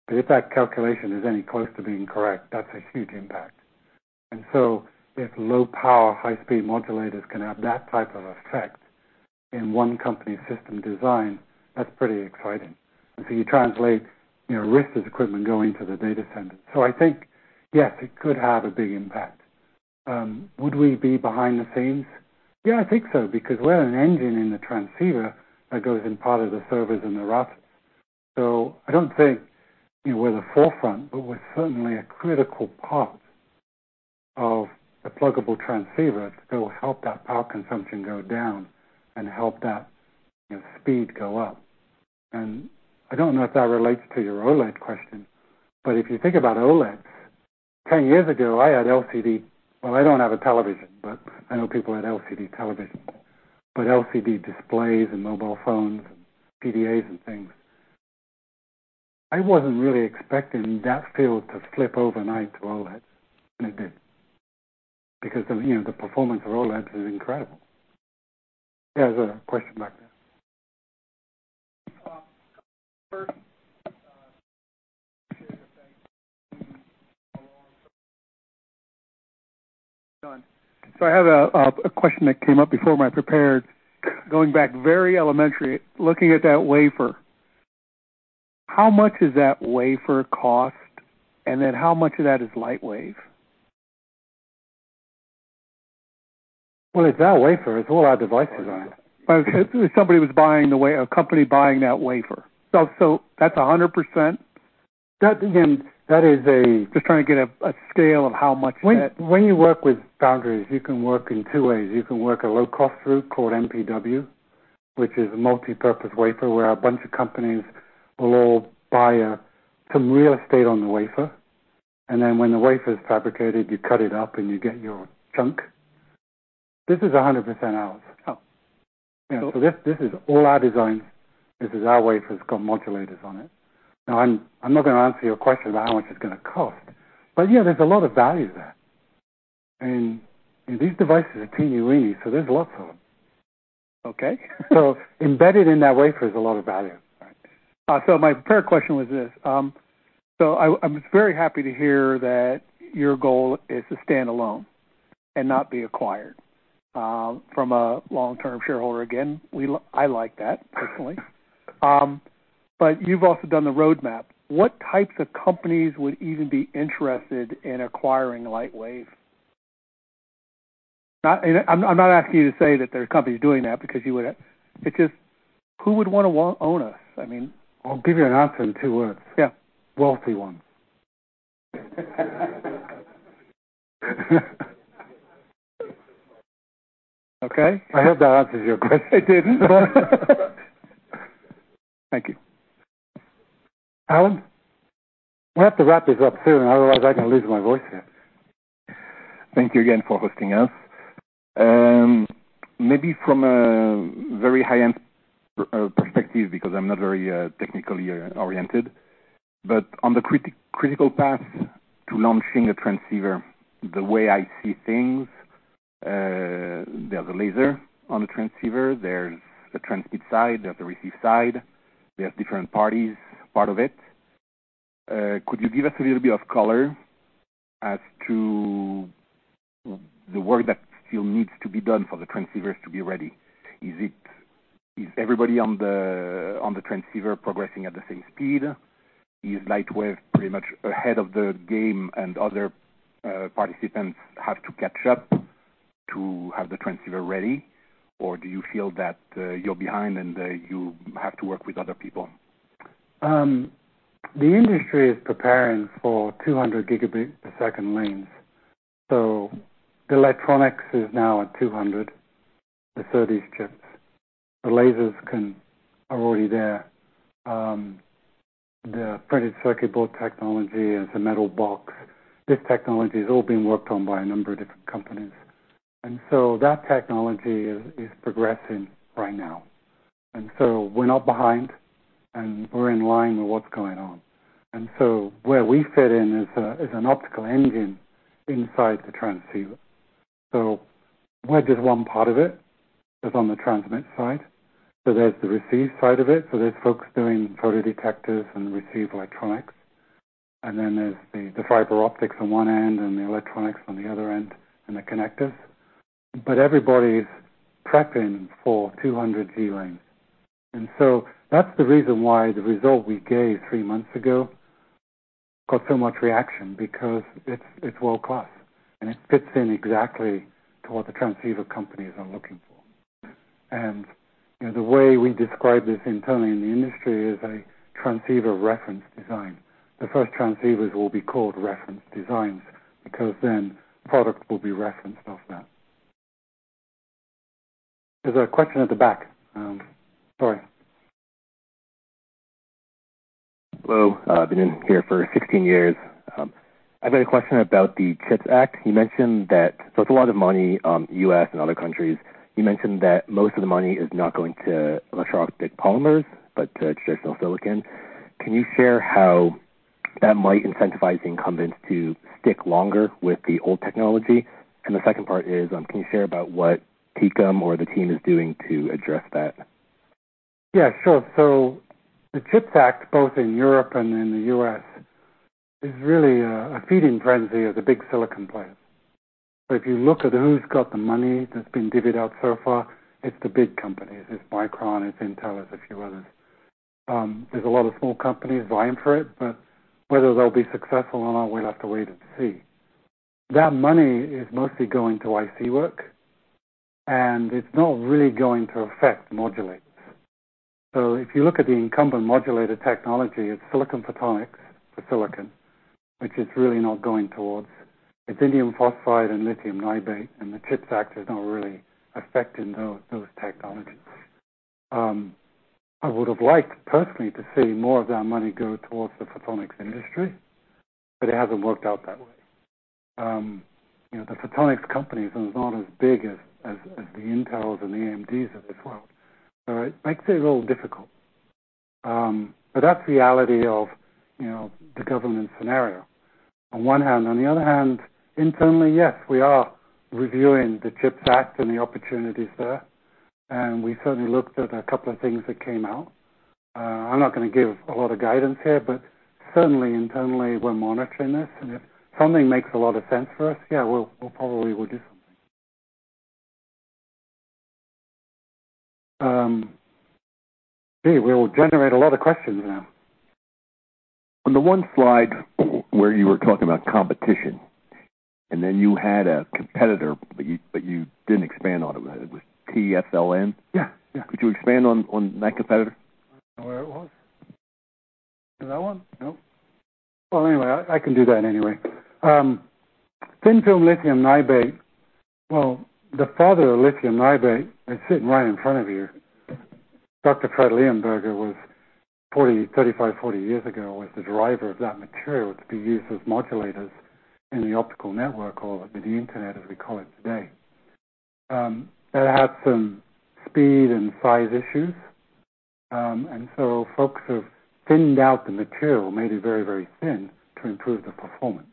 but if that calculation is any close to being correct, that's a huge impact. And so if low power, high speed modulators can have that type of effect in one company's system design, that's pretty exciting. And so you translate, you know, Arista's equipment going to the data center. So I think, yes, it could have a big impact. Would we be behind the scenes? Yeah, I think so, because we're an engine in the transceiver that goes in part of the servers and the routers. So I don't think we're the forefront, but we're certainly a critical part of the pluggable transceiver to go help that power consumption go down and help that, you know, speed go up. And I don't know if that relates to your OLED question, but if you think about OLED, 10 years ago, I had LCD. Well, I don't have a television, but I know people had LCD televisions, but LCD displays and mobile phones and PDAs and things. I wasn't really expecting that field to flip overnight to OLED, and it did. Because, you know, the performance of OLED is incredible. There's a question back there. So I have a question that came up before my prepared. Going back very elementary, looking at that wafer, how much does that wafer cost? And then how much of that is Lightwave? Well, it's our wafer. It's all our devices on it. Okay. If somebody was buying the wafer, a company buying that wafer. So, so that's 100%? That, again, is a- Just trying to get a scale of how much that- When you work with foundries, you can work in two ways. You can work a low-cost route called MPW, which is a multipurpose wafer, where a bunch of companies will all buy some real estate on the wafer, and then when the wafer is fabricated, you cut it up and you get your chunk. This is 100% ours. Oh. So this is all our design. This is our wafer. It's got modulators on it. Now, I'm not going to answer your question about how much it's going to cost, but yeah, there's a lot of value there. And these devices are teeny-weeny, so there's lots of them. Okay. Embedded in that wafer is a lot of value. So my third question was this, so I’m very happy to hear that your goal is to stand alone and not be acquired, from a long-term shareholder. Again, I like that, personally. But you’ve also done the roadmap. What types of companies would even be interested in acquiring Lightwave? And I’m not asking you to say that there are companies doing that, because you would. Because who would want to own us? I mean. I'll give you an answer in two words. Yeah. Wealthy ones. Okay. I hope that answers your question. It did. Thank you. Alan, we have to wrap this up soon, otherwise I can lose my voice here. Thank you again for hosting us. Maybe from a very high-end perspective, because I'm not very technically oriented, but on the critical path to launching a transceiver, the way I see things, there's a laser on the transceiver, there's the transmit side, there's the receive side, there's different parties part of it. Could you give us a little bit of color as to the work that still needs to be done for the transceivers to be ready? Is everybody on the transceiver progressing at the same speed? Is Lightwave pretty much ahead of the game and other participants have to catch up to have the transceiver ready? Or do you feel that you're behind and you have to work with other people? The industry is preparing for 200 Gbps lanes, so the electronics is now at 200, the SerDes chips. The lasers are already there. The printed circuit board technology is a metal box. This technology is all being worked on by a number of different companies, and so that technology is progressing right now. So we're not behind, and we're in line with what's going on. Where we fit in is an optical engine inside the transceiver. We're just one part of it, on the transmit side. There's the receive side of it. There's folks doing photodetectors and receive electronics, and then there's the fiber optics on one end and the electronics on the other end and the connectors. But everybody's prepping for 200 G lanes. That's the reason why the result we gave three months ago got so much reaction, because it's, it's world-class, and it fits in exactly to what the transceiver companies are looking for. And, you know, the way we describe this internally in the industry is a transceiver reference design. The first transceivers will be called reference designs, because then products will be referenced off that. ... There's a question at the back. Sorry. Hello. I've been in here for 16 years. I've got a question about the Chips Act. You mentioned that so it's a lot of money, U.S. and other countries. You mentioned that most of the money is not going to electro-optic polymers, but to traditional silicon. Can you share how that might incentivize incumbents to stick longer with the old technology? And the second part is, can you share about what Atikem or the team is doing to address that? Yeah, sure. So the Chips Act, both in Europe and in the U.S., is really a feeding frenzy of the big silicon players. So if you look at who's got the money that's been divvied out so far, it's the big companies. It's Micron, it's Intel, there's a few others. There's a lot of small companies vying for it, but whether they'll be successful or not, we'll have to wait and see. That money is mostly going to IC work, and it's not really going to affect modulators. So if you look at the incumbent modulator technology, it's silicon photonics, the silicon, which it's really not going towards. It's Indium Phosphide and Lithium Niobate, and the Chips Act is not really affecting those, those technologies. I would have liked personally to see more of that money go towards the photonics industry, but it hasn't worked out that way. You know, the photonics companies is not as big as the Intels and the AMDs of this world, so it makes it a little difficult. But that's the reality of, you know, the government scenario on one hand. On the other hand, internally, yes, we are reviewing the Chips Act and the opportunities there, and we certainly looked at a couple of things that came out. I'm not gonna give a lot of guidance here, but certainly internally, we're monitoring this, and if something makes a lot of sense for us, yeah, we'll, we probably will do something. Gee, we'll generate a lot of questions now. On the one slide where you were talking about competition, and then you had a competitor, but you, but you didn't expand on it. It was TFLN? Yeah. Yeah. Could you expand on that competitor? I don't know where it was. Is it that one? Nope. Well, anyway, I can do that anyway. Thin-film lithium niobate. Well, the father of lithium niobate is sitting right in front of you. Dr. Frederick J. Leonberger was 40, 35, 40 years ago, was the driver of that material to be used as modulators in the optical network, or the internet, as we call it today. It had some speed and size issues, and so folks have thinned out the material, made it very, very thin to improve the performance.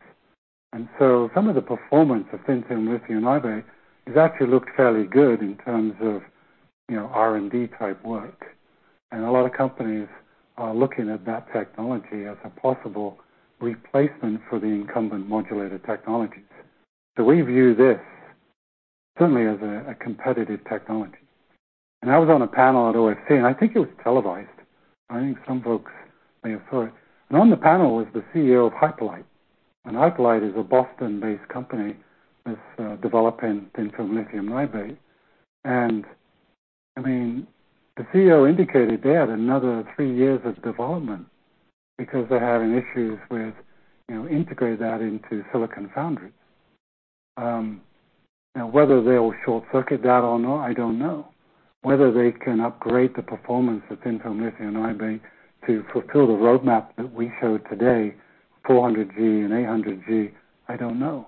And so some of the performance of thin-film lithium niobate has actually looked fairly good in terms of, you know, R&D type work. And a lot of companies are looking at that technology as a possible replacement for the incumbent modulator technologies. So we view this certainly as a competitive technology. I was on a panel at OFC, and I think it was televised. I think some folks may have saw it. On the panel was the CEO of HyperLight, and HyperLight is a Boston-based company that's developing thin-film lithium niobate. And I mean, the CEO indicated they had another 3 years of development because they're having issues with, you know, integrating that into silicon foundry. Now, whether they'll short-circuit that or not, I don't know. Whether they can upgrade the performance of thin-film lithium niobate to fulfill the roadmap that we showed today, 400 G and 800 G, I don't know.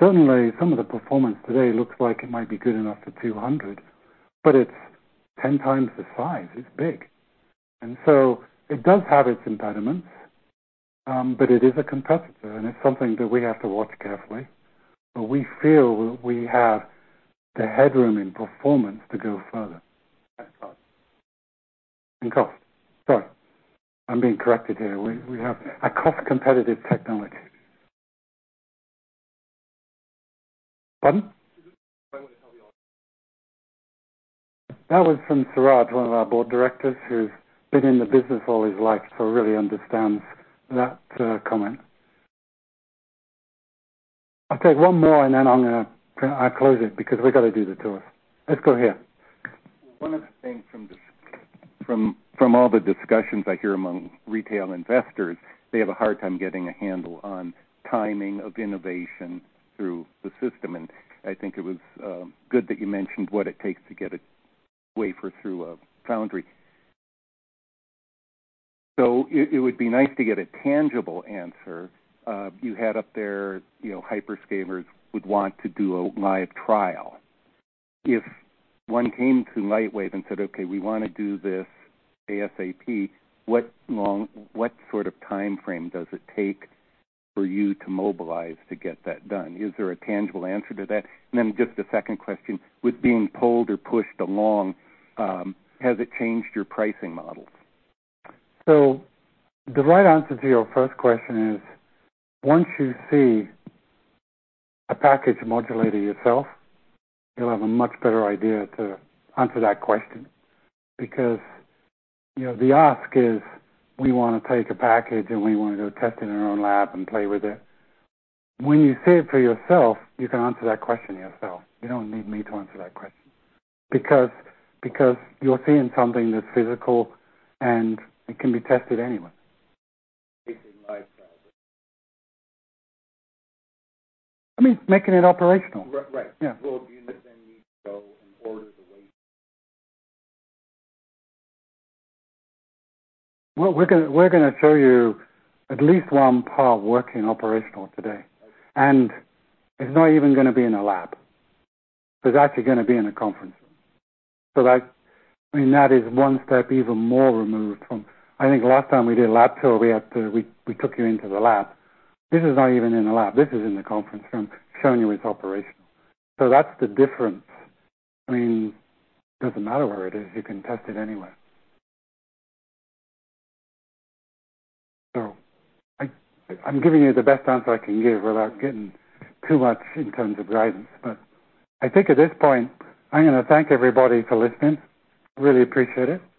Certainly, some of the performance today looks like it might be good enough for 200, but it's 10 times the size. It's big. And so it does have its impediments, but it is a competitor, and it's something that we have to watch carefully. But we feel we have the headroom in performance to go further. And cost. Sorry, I'm being corrected here. We have a cost-competitive technology. Pardon? I want to tell you all. That was from Siraj, one of our board directors, who's been in the business all his life, so really understands that comment. I'll take one more, and then I'm gonna. I'll close it because we've got to do the tour. Let's go here. One of the things from discussions, from all the discussions I hear among retail investors, they have a hard time getting a handle on timing of innovation through the system, and I think it was good that you mentioned what it takes to get a wafer through a foundry. So it would be nice to get a tangible answer. You had up there, you know, hyperscalers would want to do a live trial. If one came to Lightwave and said, "Okay, we want to do this ASAP," what sort of time frame does it take for you to mobilize to get that done? Is there a tangible answer to that? And then just a second question: With being pulled or pushed along, has it changed your pricing model? So the right answer to your first question is, once you see a package modulator yourself, you'll have a much better idea to answer that question. Because, you know, the ask is: We want to take a package, and we want to go test it in our own lab and play with it. When you see it for yourself, you can answer that question yourself. You don't need me to answer that question. Because, because you're seeing something that's physical, and it can be tested anywhere. Taking a live trial. I mean, making it operational. Right. Yeah. Well, do you then need to go and order the wa-- Well, we're gonna, we're gonna show you at least one part working operational today, and it's not even gonna be in a lab. It's actually gonna be in a conference. So that, I mean, that is one step even more removed from... I think last time we did a lab tour, we had to, we took you into the lab. This is not even in a lab. This is in the conference room, showing you it's operational. So that's the difference. I mean, it doesn't matter where it is, you can test it anywhere. So I'm giving you the best answer I can give without getting too much in terms of guidance. But I think at this point, I'm going to thank everybody for listening. Really appreciate it.